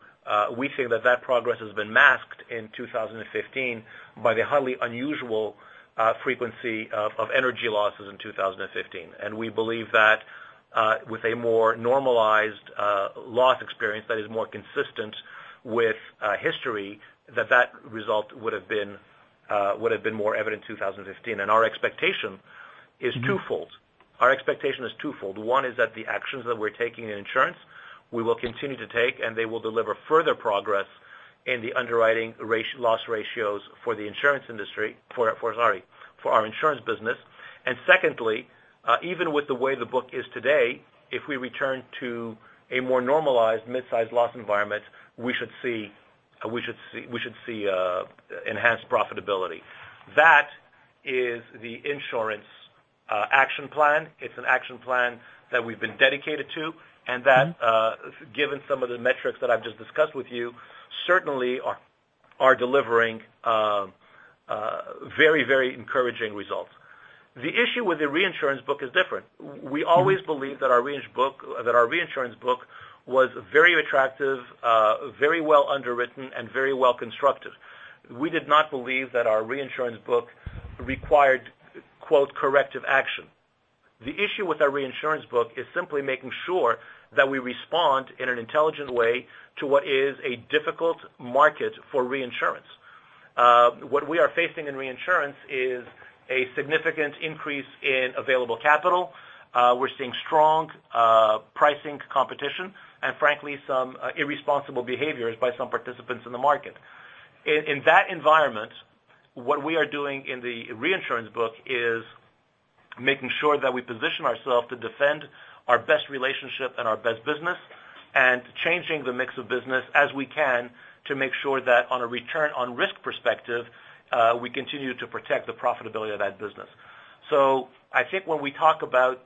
we think that that progress has been masked in 2015 by the highly unusual frequency of energy losses in 2015. We believe that with a more normalized loss experience that is more consistent with history, that result would have been more evident in 2015. Our expectation is twofold. One is that the actions that we're taking in insurance, we will continue to take, and they will deliver further progress in the underwriting loss ratios for our insurance business. Secondly, even with the way the book is today, if we return to a more normalized mid-size loss environment, we should see enhanced profitability. That is the insurance action plan. It's an action plan that we've been dedicated to, and that given some of the metrics that I've just discussed with you, certainly are delivering very encouraging results. The issue with the reinsurance book is different. We always believed that our reinsurance book was very attractive, very well underwritten, and very well constructed. We did not believe that our reinsurance book required, quote, "corrective action." The issue with our reinsurance book is simply making sure that we respond in an intelligent way to what is a difficult market for reinsurance. What we are facing in reinsurance is a significant increase in available capital. We're seeing strong pricing competition, and frankly, some irresponsible behaviors by some participants in the market. In that environment, what we are doing in the reinsurance book is making sure that we position ourselves to defend our best relationship and our best business, and changing the mix of business as we can to make sure that on a return on risk perspective, we continue to protect the profitability of that business. I think when we talk about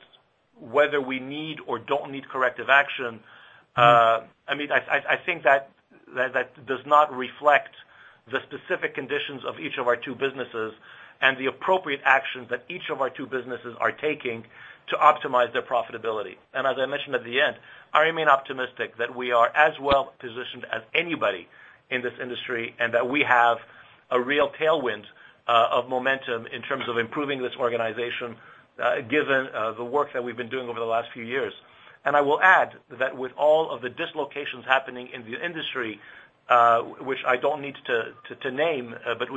whether we need or don't need corrective action, I think that does not reflect the specific conditions of each of our two businesses and the appropriate actions that each of our two businesses are taking to optimize their profitability. As I mentioned at the end, I remain optimistic that we are as well positioned as anybody in this industry, and that we have a real tailwind of momentum in terms of improving this organization given the work that we've been doing over the last few years. I will add that with all of the dislocations happening in the industry which I don't need to name, but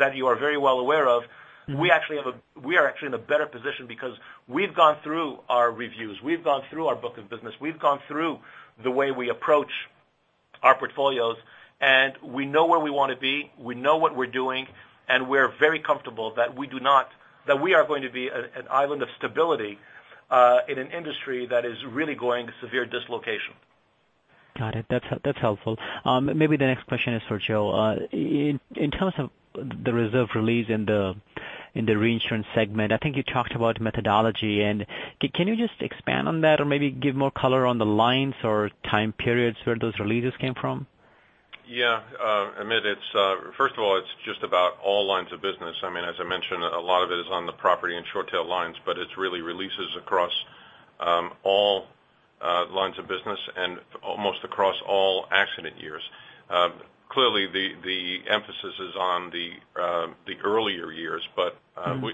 that you are very well aware of, we are actually in a better position because we've gone through our reviews, we've gone through our book of business, we've gone through the way we approach our portfolios, and we know where we want to be, we know what we're doing, and we're very comfortable that we are going to be an island of stability in an industry that is really going severe dislocation. Got it. That's helpful. Maybe the next question is for Joe. In terms of the reserve release in the reinsurance segment, I think you talked about methodology. Can you just expand on that or maybe give more color on the lines or time periods where those releases came from? Yeah. Amit, first of all, it's just about all lines of business. As I mentioned, a lot of it is on the property and short-tail lines, it really releases across all lines of business and almost across all accident years. Clearly, the emphasis is on the earlier years.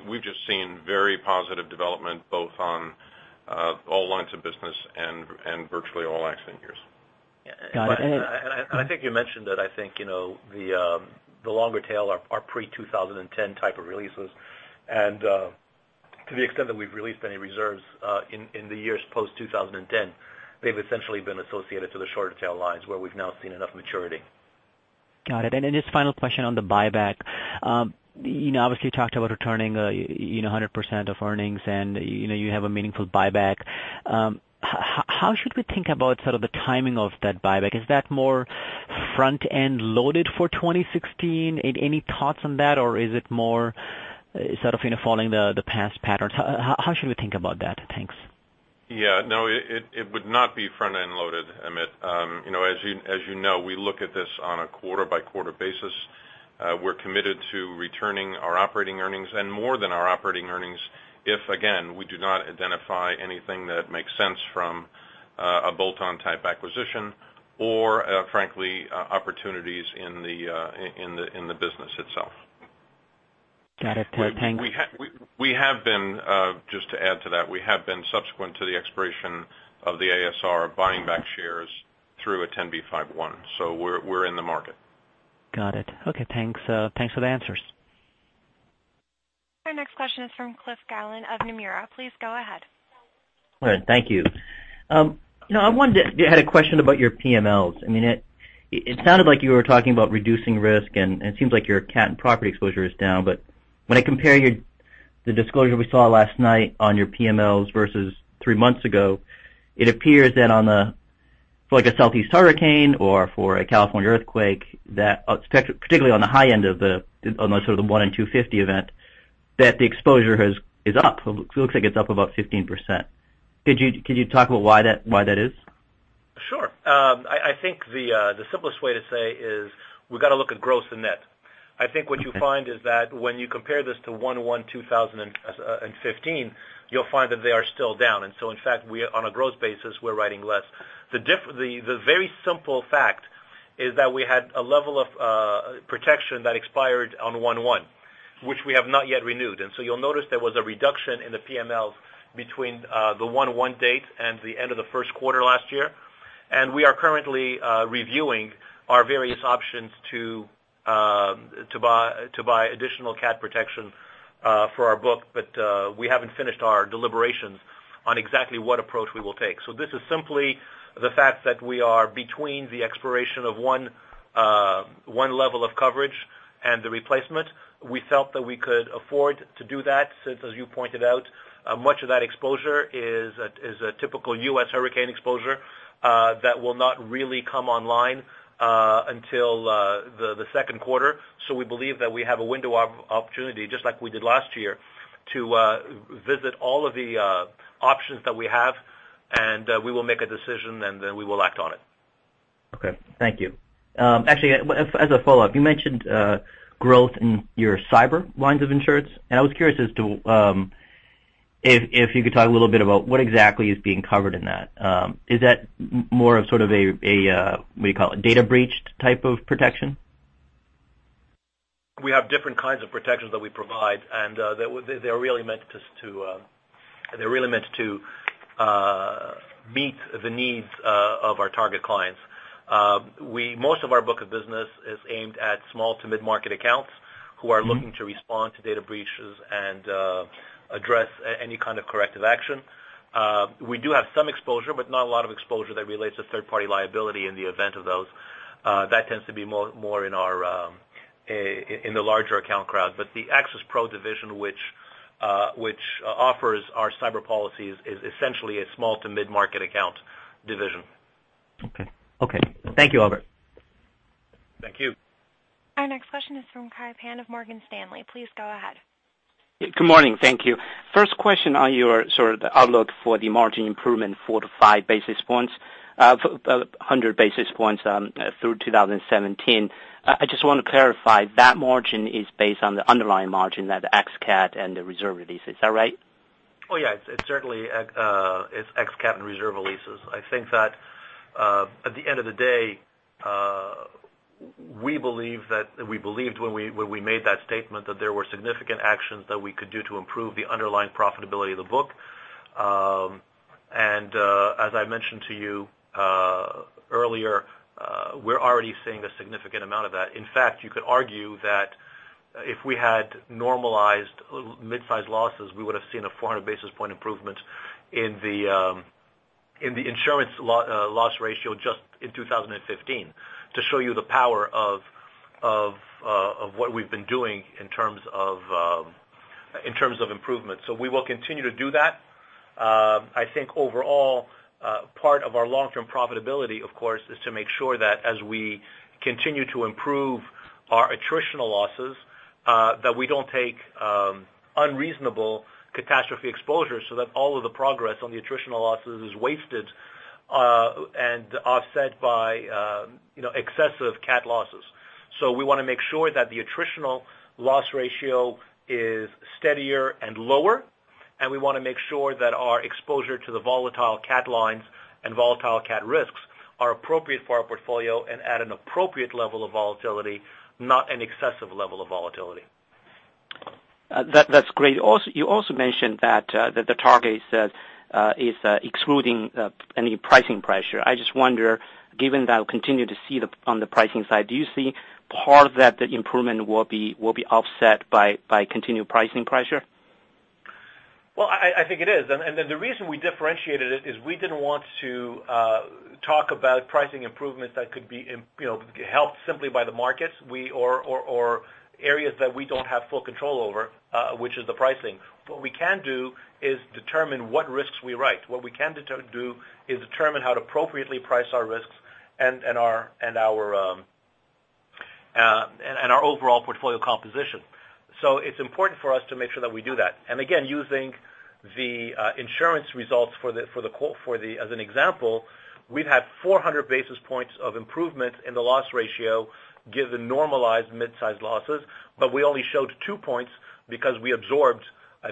We've just seen very positive development both on all lines of business and virtually all accident years. Got it. I think you mentioned that the longer tail are pre-2010 type of releases. To the extent that we've released any reserves in the years post-2010, they've essentially been associated to the shorter tail lines where we've now seen enough maturity. Got it. Just final question on the buyback. You obviously talked about returning 100% of earnings, and you have a meaningful buyback. How should we think about the timing of that buyback? Is that more front-end loaded for 2016? Any thoughts on that, or is it more following the past patterns? How should we think about that? Thanks. Yeah, no, it would not be front-end loaded, Amit. As you know, we look at this on a quarter-by-quarter basis. We're committed to returning our operating earnings and more than our operating earnings if, again, we do not identify anything that makes sense from a bolt-on type acquisition or, frankly, opportunities in the business itself. Got it. Thanks. Just to add to that, we have been subsequent to the expiration of the ASR buying back shares through a 10b5-1. We're in the market. Got it. Okay, thanks. Thanks for the answers. Our next question is from Cliff Gallant of Nomura. Please go ahead. All right. Thank you. I had a question about your PMLs. It sounded like you were talking about reducing risk, and it seems like your cat and property exposure is down. When I compare the disclosure we saw last night on your PMLs versus three months ago, it appears that on a Southeast hurricane or for a California earthquake, particularly on the high end of the one in 250 event, that the exposure is up. It looks like it is up about 15%. Could you talk about why that is? Sure. I think the simplest way to say is we have got to look at gross and net. I think what you find is that when you compare this to 1/1/2015, you will find that they are still down. In fact, on a growth basis, we are writing less. The very simple fact is that we had a level of protection that expired on 1/1, which we have not yet renewed. You will notice there was a reduction in the PMLs between the 1/1 date and the end of the first quarter last year. We are currently reviewing our various options to buy additional cat protection for our book, we have not finished our deliberations on exactly what approach we will take. This is simply the fact that we are between the expiration of one level of coverage and the replacement. We felt that we could afford to do that since, as you pointed out, much of that exposure is a typical U.S. hurricane exposure that will not really come online until the second quarter. We believe that we have a window of opportunity, just like we did last year, to visit all of the options that we have, and we will make a decision and then we will act on it. Okay. Thank you. Actually, as a follow-up, you mentioned growth in your cyber lines of insurance, and I was curious as to if you could talk a little bit about what exactly is being covered in that. Is that more of a data breach type of protection? We have different kinds of protections that we provide, and they're really meant to meet the needs of our target clients. Most of our book of business is aimed at small to mid-market accounts who are looking to respond to data breaches and address any kind of corrective action. We do have some exposure, but not a lot of exposure that relates to third-party liability in the event of those. That tends to be more in the larger account crowd. The AXIS Pro division, which offers our cyber policies, is essentially a small to mid-market account division. Okay. Thank you, Albert. Thank you. Our next question is from Kai Pan of Morgan Stanley. Please go ahead. Good morning. Thank you. First question on your outlook for the margin improvement, 400 to 500 basis points, 100 basis points through 2017. I just want to clarify that margin is based on the underlying margin that the xCAT and the reserve release. Is that right? Oh, yeah. It certainly is xCAT and reserve releases. I think that at the end of the day, we believed when we made that statement that there were significant actions that we could do to improve the underlying profitability of the book. As I mentioned to you earlier, we're already seeing a significant amount of that. In fact, you could argue that if we had normalized mid-size losses, we would have seen a 400 basis point improvement in the insurance loss ratio just in 2015 to show you the power of what we've been doing in terms of improvement. We will continue to do that. I think overall, part of our long-term profitability, of course, is to make sure that as we continue to improve our attritional losses, that we don't take unreasonable catastrophe exposure so that all of the progress on the attritional losses is wasted and offset by excessive cat losses. We want to make sure that the attritional loss ratio is steadier and lower, and we want to make sure that our exposure to the volatile cat lines and volatile cat risks are appropriate for our portfolio and at an appropriate level of volatility, not an excessive level of volatility. That's great. You also mentioned that the target is excluding any pricing pressure. I just wonder, given that we'll continue to see on the pricing side, do you see part of that the improvement will be offset by continued pricing pressure? Well, I think it is. The reason we differentiated it is we didn't want to talk about pricing improvements that could be helped simply by the markets or areas that we don't have full control over, which is the pricing. What we can do is determine what risks we write. What we can do is determine how to appropriately price our risks and our overall portfolio composition. It's important for us to make sure that we do that. Again, using the insurance results as an example, we've had 400 basis points of improvement in the loss ratio given normalized mid-size losses, but we only showed two points because we absorbed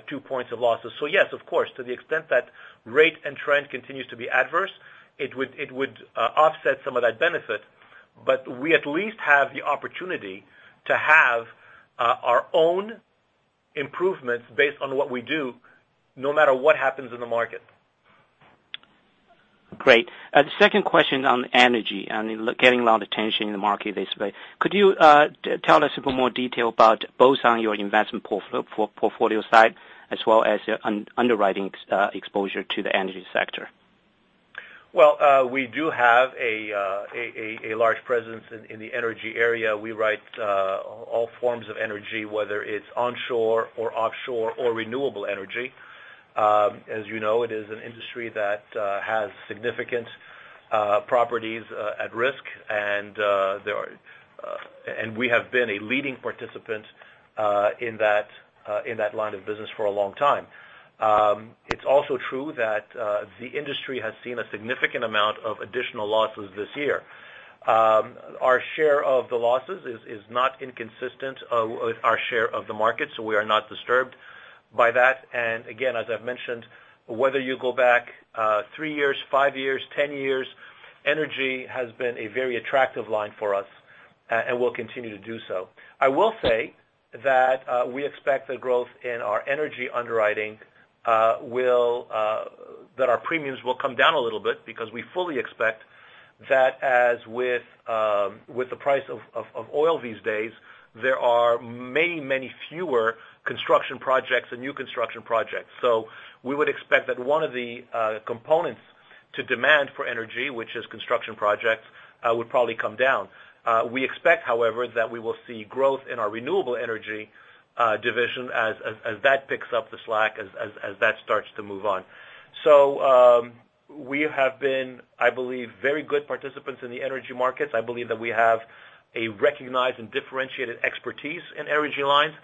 two points of losses. Yes, of course, to the extent that rate and trend continues to be adverse, it would offset some of that benefit, we at least have the opportunity to have our own improvements based on what we do, no matter what happens in the market. Great. The second question on energy, I mean, getting a lot of attention in the market these days. Could you tell us a little more detail about both on your investment portfolio side as well as your underwriting exposure to the energy sector? Well, we do have a large presence in the energy area. We write all forms of energy, whether it's onshore or offshore or renewable energy. As you know, it is an industry that has significant properties at risk, and we have been a leading participant in that line of business for a long time. It's also true that the industry has seen a significant amount of additional losses this year. Our share of the losses is not inconsistent with our share of the market, so we are not disturbed by that. Again, as I've mentioned, whether you go back three years, five years, 10 years, energy has been a very attractive line for us and will continue to do so. I will say that we expect the growth in our energy underwriting, that our premiums will come down a little bit because we fully expect that as with the price of oil these days, there are many fewer construction projects and new construction projects. We would expect that one of the components to demand for energy, which is construction projects, would probably come down. We expect, however, that we will see growth in our renewable energy division as that picks up the slack, as that starts to move on. We have been, I believe, very good participants in the energy markets. I believe that we have a recognized and differentiated expertise in energy lines,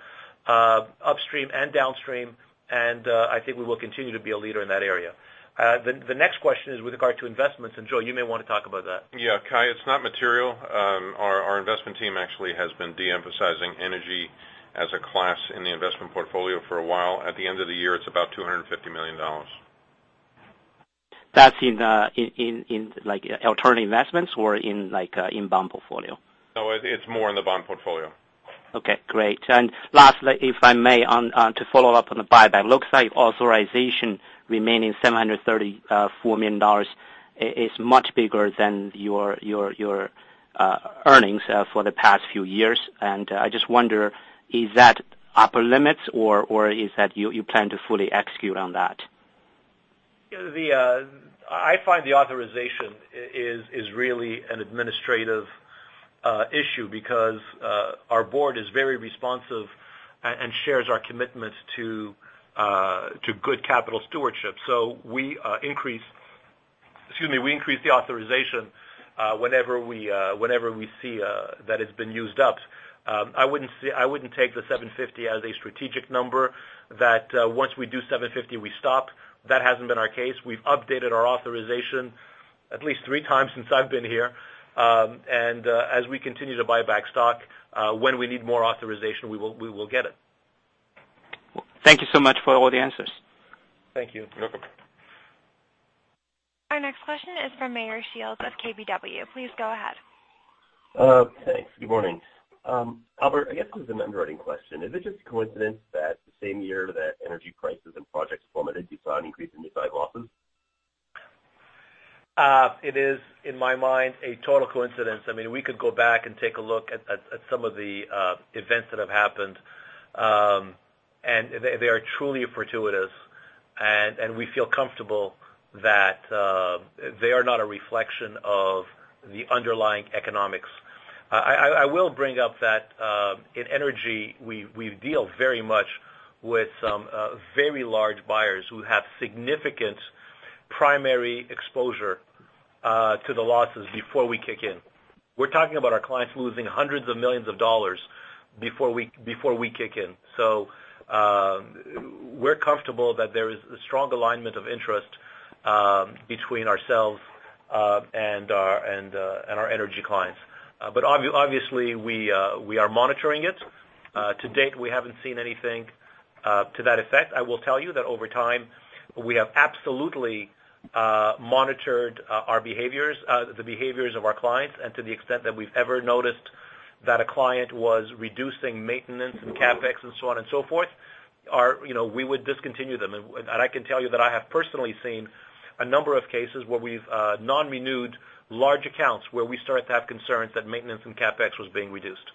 upstream and downstream, and I think we will continue to be a leader in that area. The next question is with regard to investments. Joe, you may want to talk about that. Yeah, Kai, it's not material. Our investment team actually has been de-emphasizing energy as a class in the investment portfolio for a while. At the end of the year, it's about $250 million. That's in alternative investments or in bond portfolio? No, it's more in the bond portfolio. Okay, great. Lastly, if I may, to follow up on the buyback. Looks like authorization remaining $734 million is much bigger than your earnings for the past few years. I just wonder, is that upper limits or is that you plan to fully execute on that? I find the authorization is really an administrative issue because our board is very responsive and shares our commitment to good capital stewardship. We increase the authorization whenever we see that it's been used up. I wouldn't take the $750 as a strategic number that once we do $750, we stop. That hasn't been our case. We've updated our authorization at least three times since I've been here. As we continue to buy back stock, when we need more authorization, we will get it. Thank you so much for all the answers. Thank you. You're welcome. Our next question is from Meyer Shields of KBW. Please go ahead. Thanks. Good morning. Albert, I guess this is an underwriting question. Is it just a coincidence that the same year that energy prices and projects plummeted, you saw an increase in mid-size losses? It is, in my mind, a total coincidence. I mean, we could go back and take a look at some of the events that have happened, and they are truly fortuitous, and we feel comfortable that they are not a reflection of the underlying economics. I will bring up that in energy, we deal very much with some very large buyers who have significant primary exposure to the losses before we kick in. We're talking about our clients losing $ hundreds of millions before we kick in. We're comfortable that there is a strong alignment of interest between ourselves and our energy clients. Obviously, we are monitoring it. To date, we haven't seen anything to that effect. I will tell you that over time, we have absolutely monitored the behaviors of our clients. To the extent that we've ever noticed that a client was reducing maintenance and CapEx and so on and so forth, we would discontinue them. I can tell you that I have personally seen a number of cases where we've non-renewed large accounts where we started to have concerns that maintenance and CapEx was being reduced.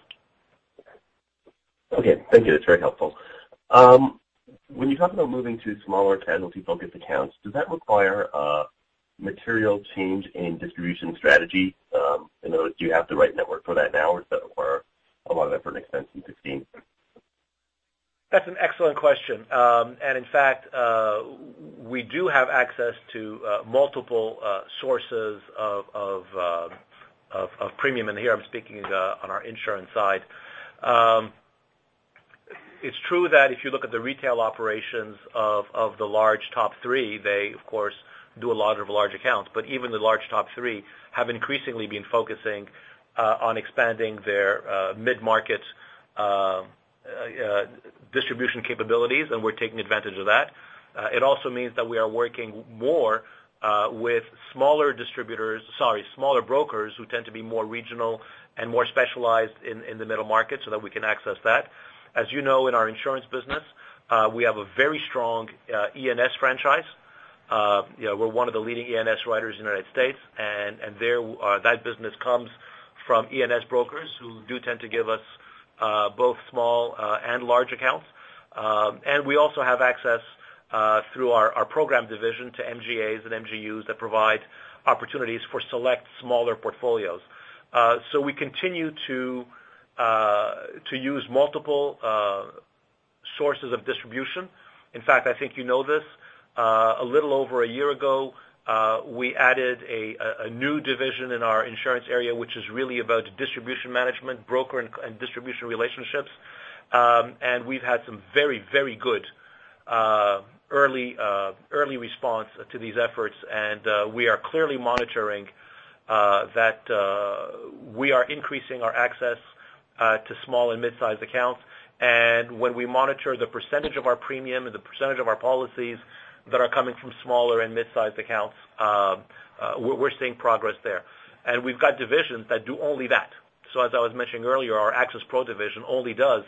Okay. Thank you. That's very helpful. When you talk about moving to smaller casualty-focused accounts, does that require a material change in distribution strategy? In other words, do you have the right network for that now, or does that require a lot of effort and expense in 2016? That's an excellent question. In fact, we do have access to multiple sources of premium, and here I'm speaking on our insurance side. It's true that if you look at the retail operations of the large top three, they of course do a lot of large accounts. Even the large top three have increasingly been focusing on expanding their mid-market distribution capabilities, and we're taking advantage of that. Also means that we are working more with smaller brokers who tend to be more regional and more specialized in the middle market so that we can access that. You know, in our insurance business, we have a very strong E&S franchise. We're one of the leading E&S writers in the United States, and that business comes from E&S brokers who do tend to give us both small and large accounts. We also have access through our program division to MGAs and MGUs that provide opportunities for select smaller portfolios. We continue to use multiple sources of distribution. In fact, I think you know this, a little over a year ago, we added a new division in our insurance area, which is really about distribution management, broker and distribution relationships. We've had some very good early response to these efforts and we are clearly monitoring that we are increasing our access to small and mid-size accounts. When we monitor the percentage of our premium and the percentage of our policies that are coming from smaller and mid-size accounts, we're seeing progress there. We've got divisions that do only that. As I was mentioning earlier, our AXIS Pro division only does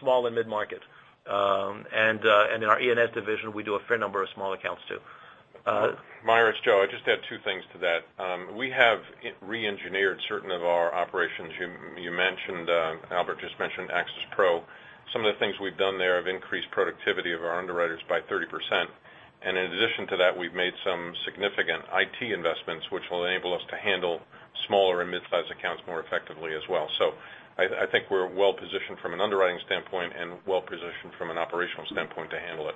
small and mid-market. In our E&S division, we do a fair number of small accounts, too. Meyer, it's Joe, I'd just add two things to that. We have reengineered certain of our operations. Albert just mentioned AXIS Pro. Some of the things we've done there have increased productivity of our underwriters by 30%. In addition to that, we've made some significant IT investments, which will enable us to handle smaller and mid-size accounts more effectively as well. I think we're well-positioned from an underwriting standpoint and well-positioned from an operational standpoint to handle it.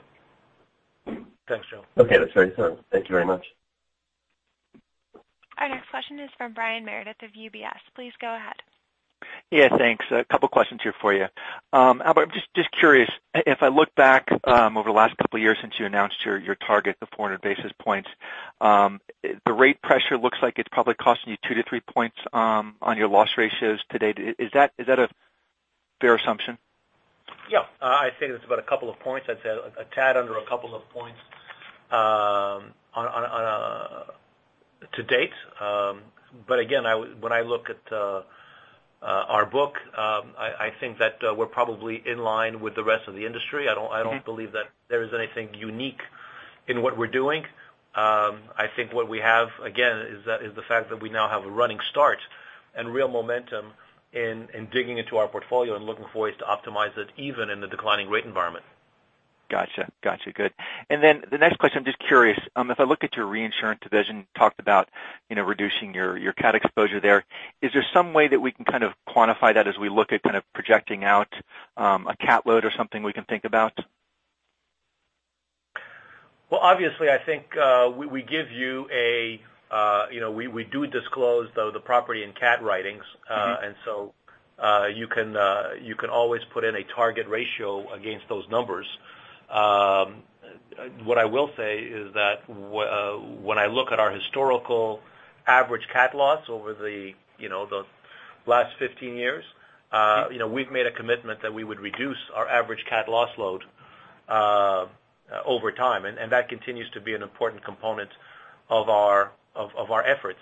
Thanks, Joe. Okay. That's very thorough. Thank you very much. Our next question is from Brian Meredith of UBS. Please go ahead. Yeah, thanks. A couple of questions here for you. Albert, I'm just curious. If I look back over the last couple of years since you announced your target, the 400 basis points, the rate pressure looks like it's probably costing you two to three points on your loss ratios to date. Is that a fair assumption? I'd say that's about a couple of points. I'd say a tad under a couple of points to date. Again, when I look at our book, I think that we're probably in line with the rest of the industry. I don't believe that there is anything unique in what we're doing. I think what we have, again, is the fact that we now have a running start and real momentum in digging into our portfolio and looking for ways to optimize it, even in the declining rate environment. Got you. Good. The next question, I'm just curious. If I look at your reinsurance division, you talked about reducing your cat exposure there. Is there some way that we can kind of quantify that as we look at kind of projecting out a cat load or something we can think about? Obviously, I think we do disclose the property and cat writings. You can always put in a target ratio against those numbers. What I will say is that when I look at our historical average cat loss over the last 15 years, we've made a commitment that we would reduce our average cat loss load over time, and that continues to be an important component of our efforts.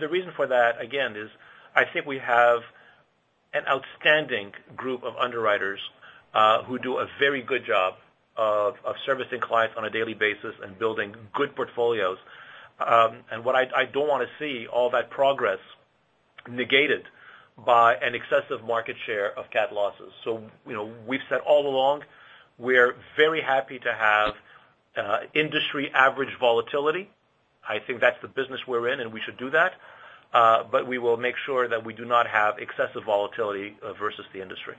The reason for that, again, is I think we have an outstanding group of underwriters who do a very good job of servicing clients on a daily basis and building good portfolios. What I don't want to see all that progress negated by an excessive market share of cat losses. We've said all along, we're very happy to have industry average volatility. I think that's the business we're in, and we should do that. We will make sure that we do not have excessive volatility versus the industry.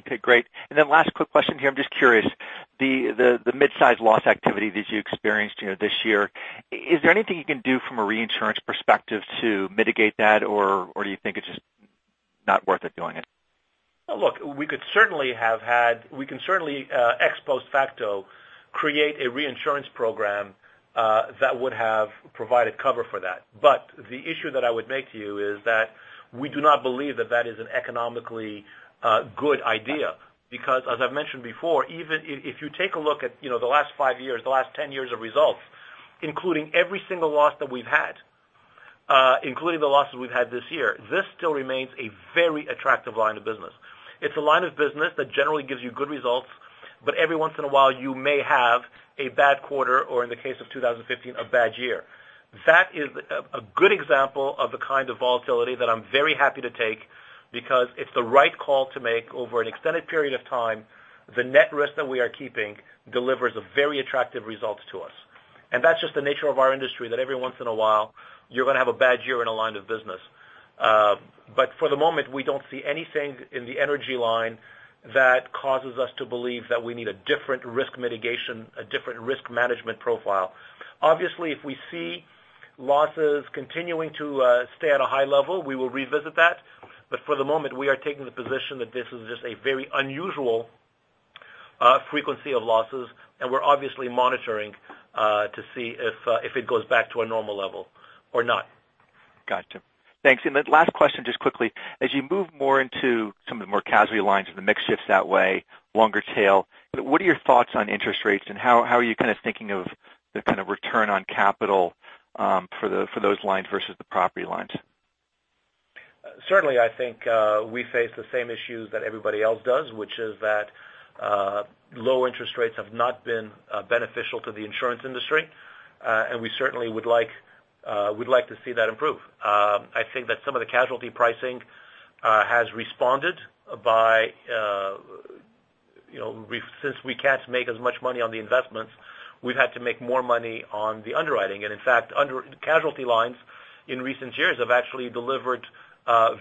Okay, great. Last quick question here. I'm just curious, the mid-size loss activity that you experienced this year, is there anything you can do from a reinsurance perspective to mitigate that? Or do you think it's just not worth doing it? Look, we can certainly ex post facto create a reinsurance program that would have provided cover for that. The issue that I would make to you is that we do not believe that that is an economically good idea because, as I've mentioned before, even if you take a look at the last 5 years, the last 10 years of results, including every single loss that we've had, including the losses we've had this year, this still remains a very attractive line of business. It's a line of business that generally gives you good results, but every once in a while, you may have a bad quarter or, in the case of 2015, a bad year. That is a good example of the kind of volatility that I'm very happy to take because it's the right call to make over an extended period of time. The net risk that we are keeping delivers very attractive results to us. That's just the nature of our industry, that every once in a while you're going to have a bad year in a line of business. For the moment, we don't see anything in the energy line that causes us to believe that we need a different risk mitigation, a different risk management profile. Obviously, if we see losses continuing to stay at a high level, we will revisit that. For the moment, we are taking the position that this is just a very unusual frequency of losses, and we're obviously monitoring to see if it goes back to a normal level or not. Got you. Thanks. Last question, just quickly, as you move more into some of the more casualty lines, and the mix shifts that way, longer tail, what are your thoughts on interest rates and how are you thinking of the kind of return on capital for those lines versus the property lines? Certainly, I think we face the same issues that everybody else does, which is that low interest rates have not been beneficial to the insurance industry. We certainly would like to see that improve. I think that some of the casualty pricing has responded by, since we can't make as much money on the investments, we've had to make more money on the underwriting. In fact, casualty lines in recent years have actually delivered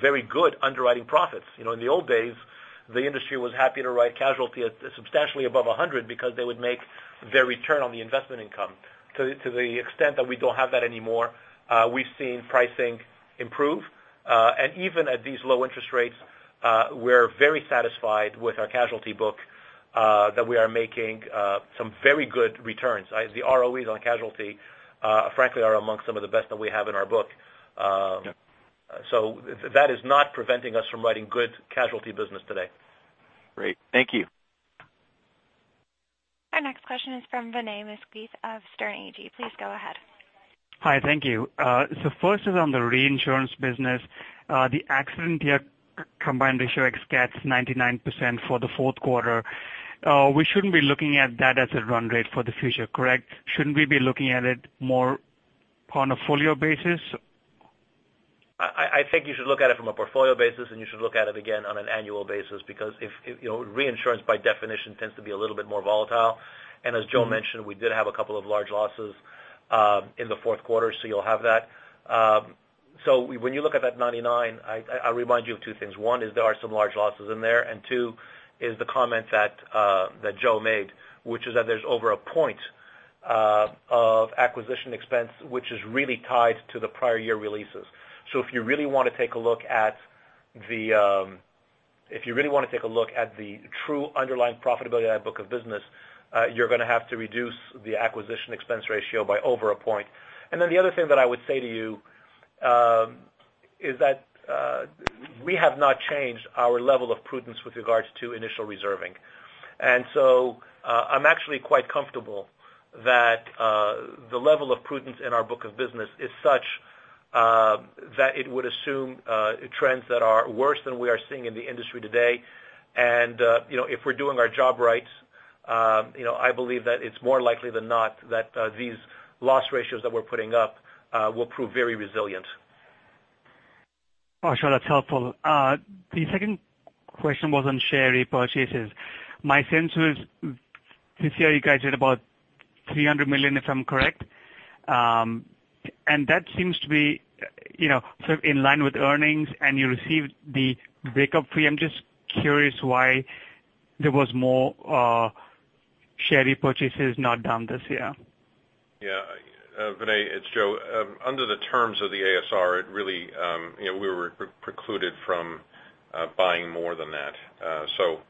very good underwriting profits. In the old days, the industry was happy to write casualty at substantially above 100 because they would make their return on the investment income. To the extent that we don't have that anymore, we've seen pricing improve. Even at these low interest rates, we're very satisfied with our casualty book that we are making some very good returns. The ROEs on casualty, frankly, are amongst some of the best that we have in our book. Yeah. That is not preventing us from writing good casualty business today. Great. Thank you. Our next question is from Vinay Misquith of Sterne Agee. Please go ahead. Hi. Thank you. First is on the reinsurance business. The accident year combined ratio ex cats 99% for the fourth quarter. We shouldn't be looking at that as a run rate for the future, correct? Shouldn't we be looking at it more on a portfolio basis? I think you should look at it from a portfolio basis, and you should look at it again on an annual basis, because reinsurance by definition tends to be a little bit more volatile. As Joe mentioned, we did have a couple of large losses in the fourth quarter, so you'll have that. When you look at that 99, I remind you of two things. One is there are some large losses in there, and two is the comment that Joe made, which is that there's over a point of acquisition expense, which is really tied to the prior year releases. If you really want to take a look at the true underlying profitability of that book of business, you're going to have to reduce the acquisition expense ratio by over a point. The other thing that I would say to you is that we have not changed our level of prudence with regards to initial reserving. I'm actually quite comfortable that the level of prudence in our book of business is such that it would assume trends that are worse than we are seeing in the industry today. If we're doing our job right I believe that it's more likely than not that these loss ratios that we're putting up will prove very resilient. Oh, sure. That's helpful. The second question was on share repurchases. My sense was this year you guys did about $300 million, if I'm correct. That seems to be sort of in line with earnings, and you received the breakup fee. I'm just curious why there were more share repurchases not done this year. Yeah. Vinay, it's Joe. Under the terms of the ASR, we were precluded from buying more than that.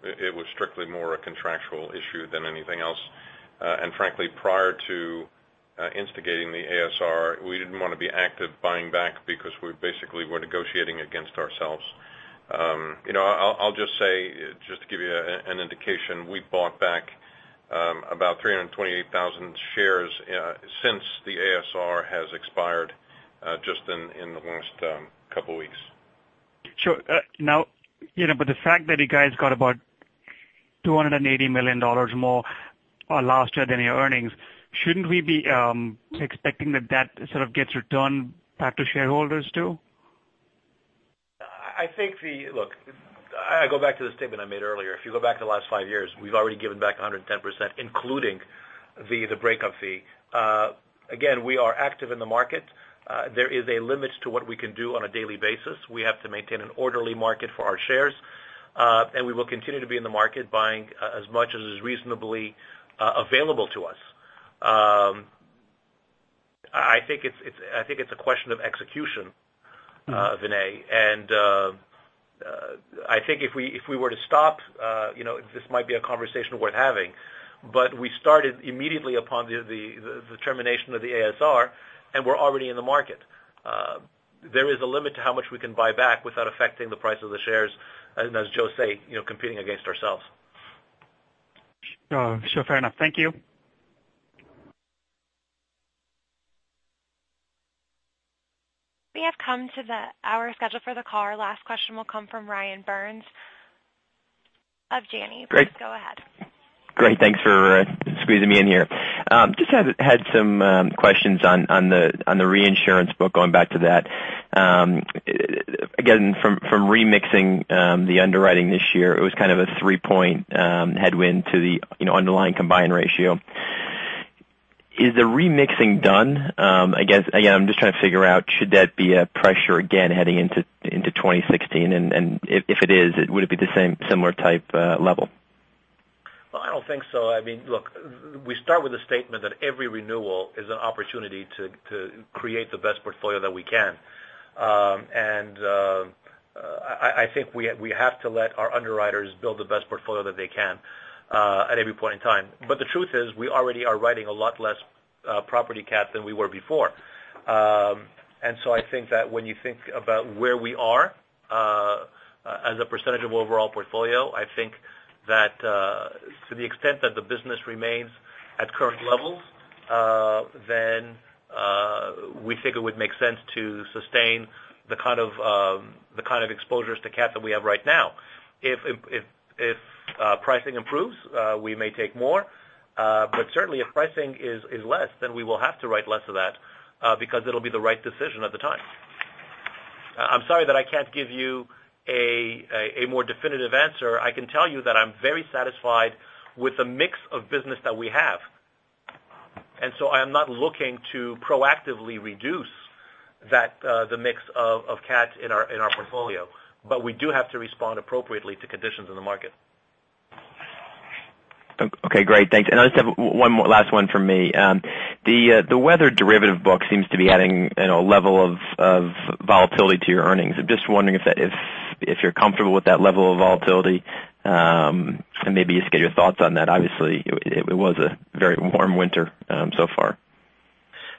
It was strictly more a contractual issue than anything else. Frankly, prior to instigating the ASR, we didn't want to be active buying back because we basically were negotiating against ourselves. I'll just say, just to give you an indication, we bought back about 328,000 shares since the ASR has expired just in the last couple of weeks. Sure. The fact that you guys got about $280 million more last year than your earnings, shouldn't we be expecting that sort of gets returned back to shareholders, too? I go back to the statement I made earlier. If you go back to the last five years, we've already given back 110%. The breakup fee. We are active in the market. There is a limit to what we can do on a daily basis. We have to maintain an orderly market for our shares. We will continue to be in the market buying as much as is reasonably available to us. I think it's a question of execution, Vinay. I think if we were to stop, this might be a conversation worth having. We started immediately upon the termination of the ASR, and we're already in the market. There is a limit to how much we can buy back without affecting the price of the shares, and as Joe says, competing against ourselves. Sure. Fair enough. Thank you. We have come to our schedule for the call. Our last question will come from Ryan Burns of Janney. Great. Please go ahead. Great. Thanks for squeezing me in here. Just had some questions on the reinsurance book, going back to that. Again, from remixing the underwriting this year, it was kind of a three-point headwind to the underlying combined ratio. Is the remixing done? Again, I'm just trying to figure out should that be a pressure again, heading into 2016? If it is, would it be the similar type level? Well, I don't think so. Look, we start with a statement that every renewal is an opportunity to create the best portfolio that we can. I think we have to let our underwriters build the best portfolio that they can at every point in time. The truth is, we already are writing a lot less property cat than we were before. I think that when you think about where we are, as a percentage of overall portfolio, I think that to the extent that the business remains at current levels, then we think it would make sense to sustain the kind of exposures to cat that we have right now. If pricing improves, we may take more. Certainly, if pricing is less, then we will have to write less of that because it'll be the right decision at the time. I'm sorry that I can't give you a more definitive answer. I can tell you that I'm very satisfied with the mix of business that we have. I am not looking to proactively reduce the mix of cat in our portfolio. We do have to respond appropriately to conditions in the market. Okay, great. Thanks. I just have one last one from me. The weather derivative book seems to be adding a level of volatility to your earnings. I'm just wondering if you're comfortable with that level of volatility, and maybe just get your thoughts on that. Obviously, it was a very warm winter so far.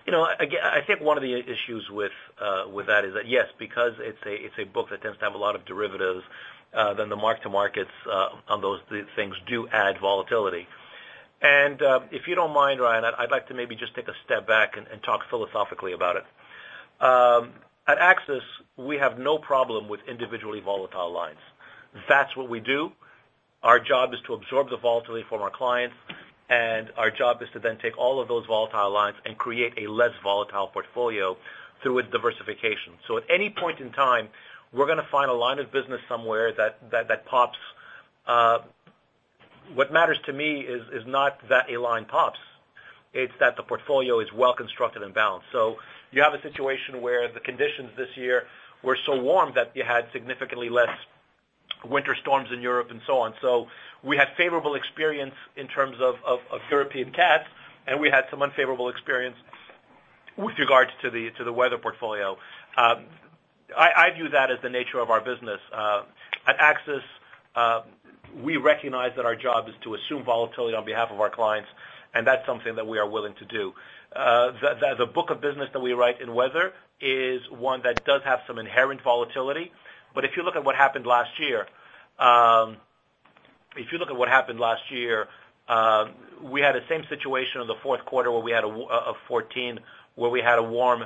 I think one of the issues with that is that, yes, because it's a book that tends to have a lot of derivatives, then the mark-to-markets on those things do add volatility. If you don't mind, Ryan, I'd like to maybe just take a step back and talk philosophically about it. At AXIS, we have no problem with individually volatile lines. That's what we do. Our job is to absorb the volatility from our clients, and our job is to then take all of those volatile lines and create a less volatile portfolio through a diversification. At any point in time, we're going to find a line of business somewhere that pops. What matters to me is not that a line pops. It's that the portfolio is well-constructed and balanced. You have a situation where the conditions this year were so warm that you had significantly less winter storms in Europe and so on. We had favorable experience in terms of European cats, and we had some unfavorable experience with regards to the weather portfolio. I view that as the nature of our business. At AXIS, we recognize that our job is to assume volatility on behalf of our clients, and that's something that we are willing to do. The book of business that we write in weather is one that does have some inherent volatility. If you look at what happened last year, we had the same situation in the fourth quarter of 2014, where we had a warm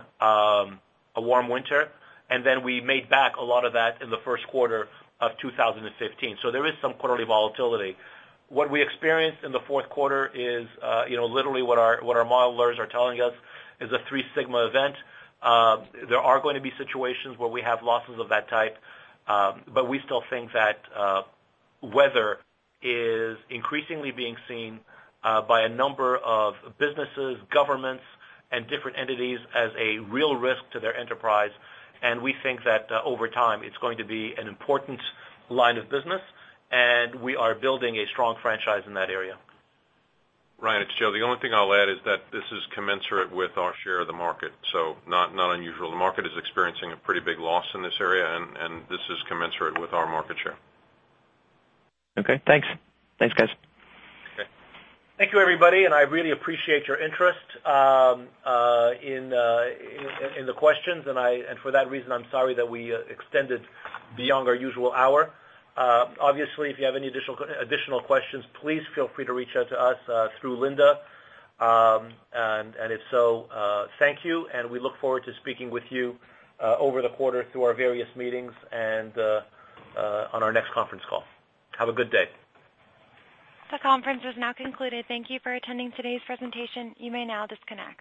winter, and then we made back a lot of that in the first quarter of 2015. There is some quarterly volatility. What we experienced in the fourth quarter is literally what our modelers are telling us is a three sigma event. There are going to be situations where we have losses of that type, but we still think that weather is increasingly being seen by a number of businesses, governments, and different entities as a real risk to their enterprise. We think that over time, it's going to be an important line of business, and we are building a strong franchise in that area. Ryan, it's Joe. The only thing I'll add is that this is commensurate with our share of the market. This is not unusual. The market is experiencing a pretty big loss in this area, and this is commensurate with our market share. Okay, thanks. Thanks, guys. Okay. Thank you everybody, and I really appreciate your interest in the questions. For that reason, I'm sorry that we extended beyond our usual hour. Obviously, if you have any additional questions, please feel free to reach out to us through Linda. If so, thank you, and we look forward to speaking with you over the quarter through our various meetings and on our next conference call. Have a good day. This conference is now concluded. Thank you for attending today's presentation. You may now disconnect.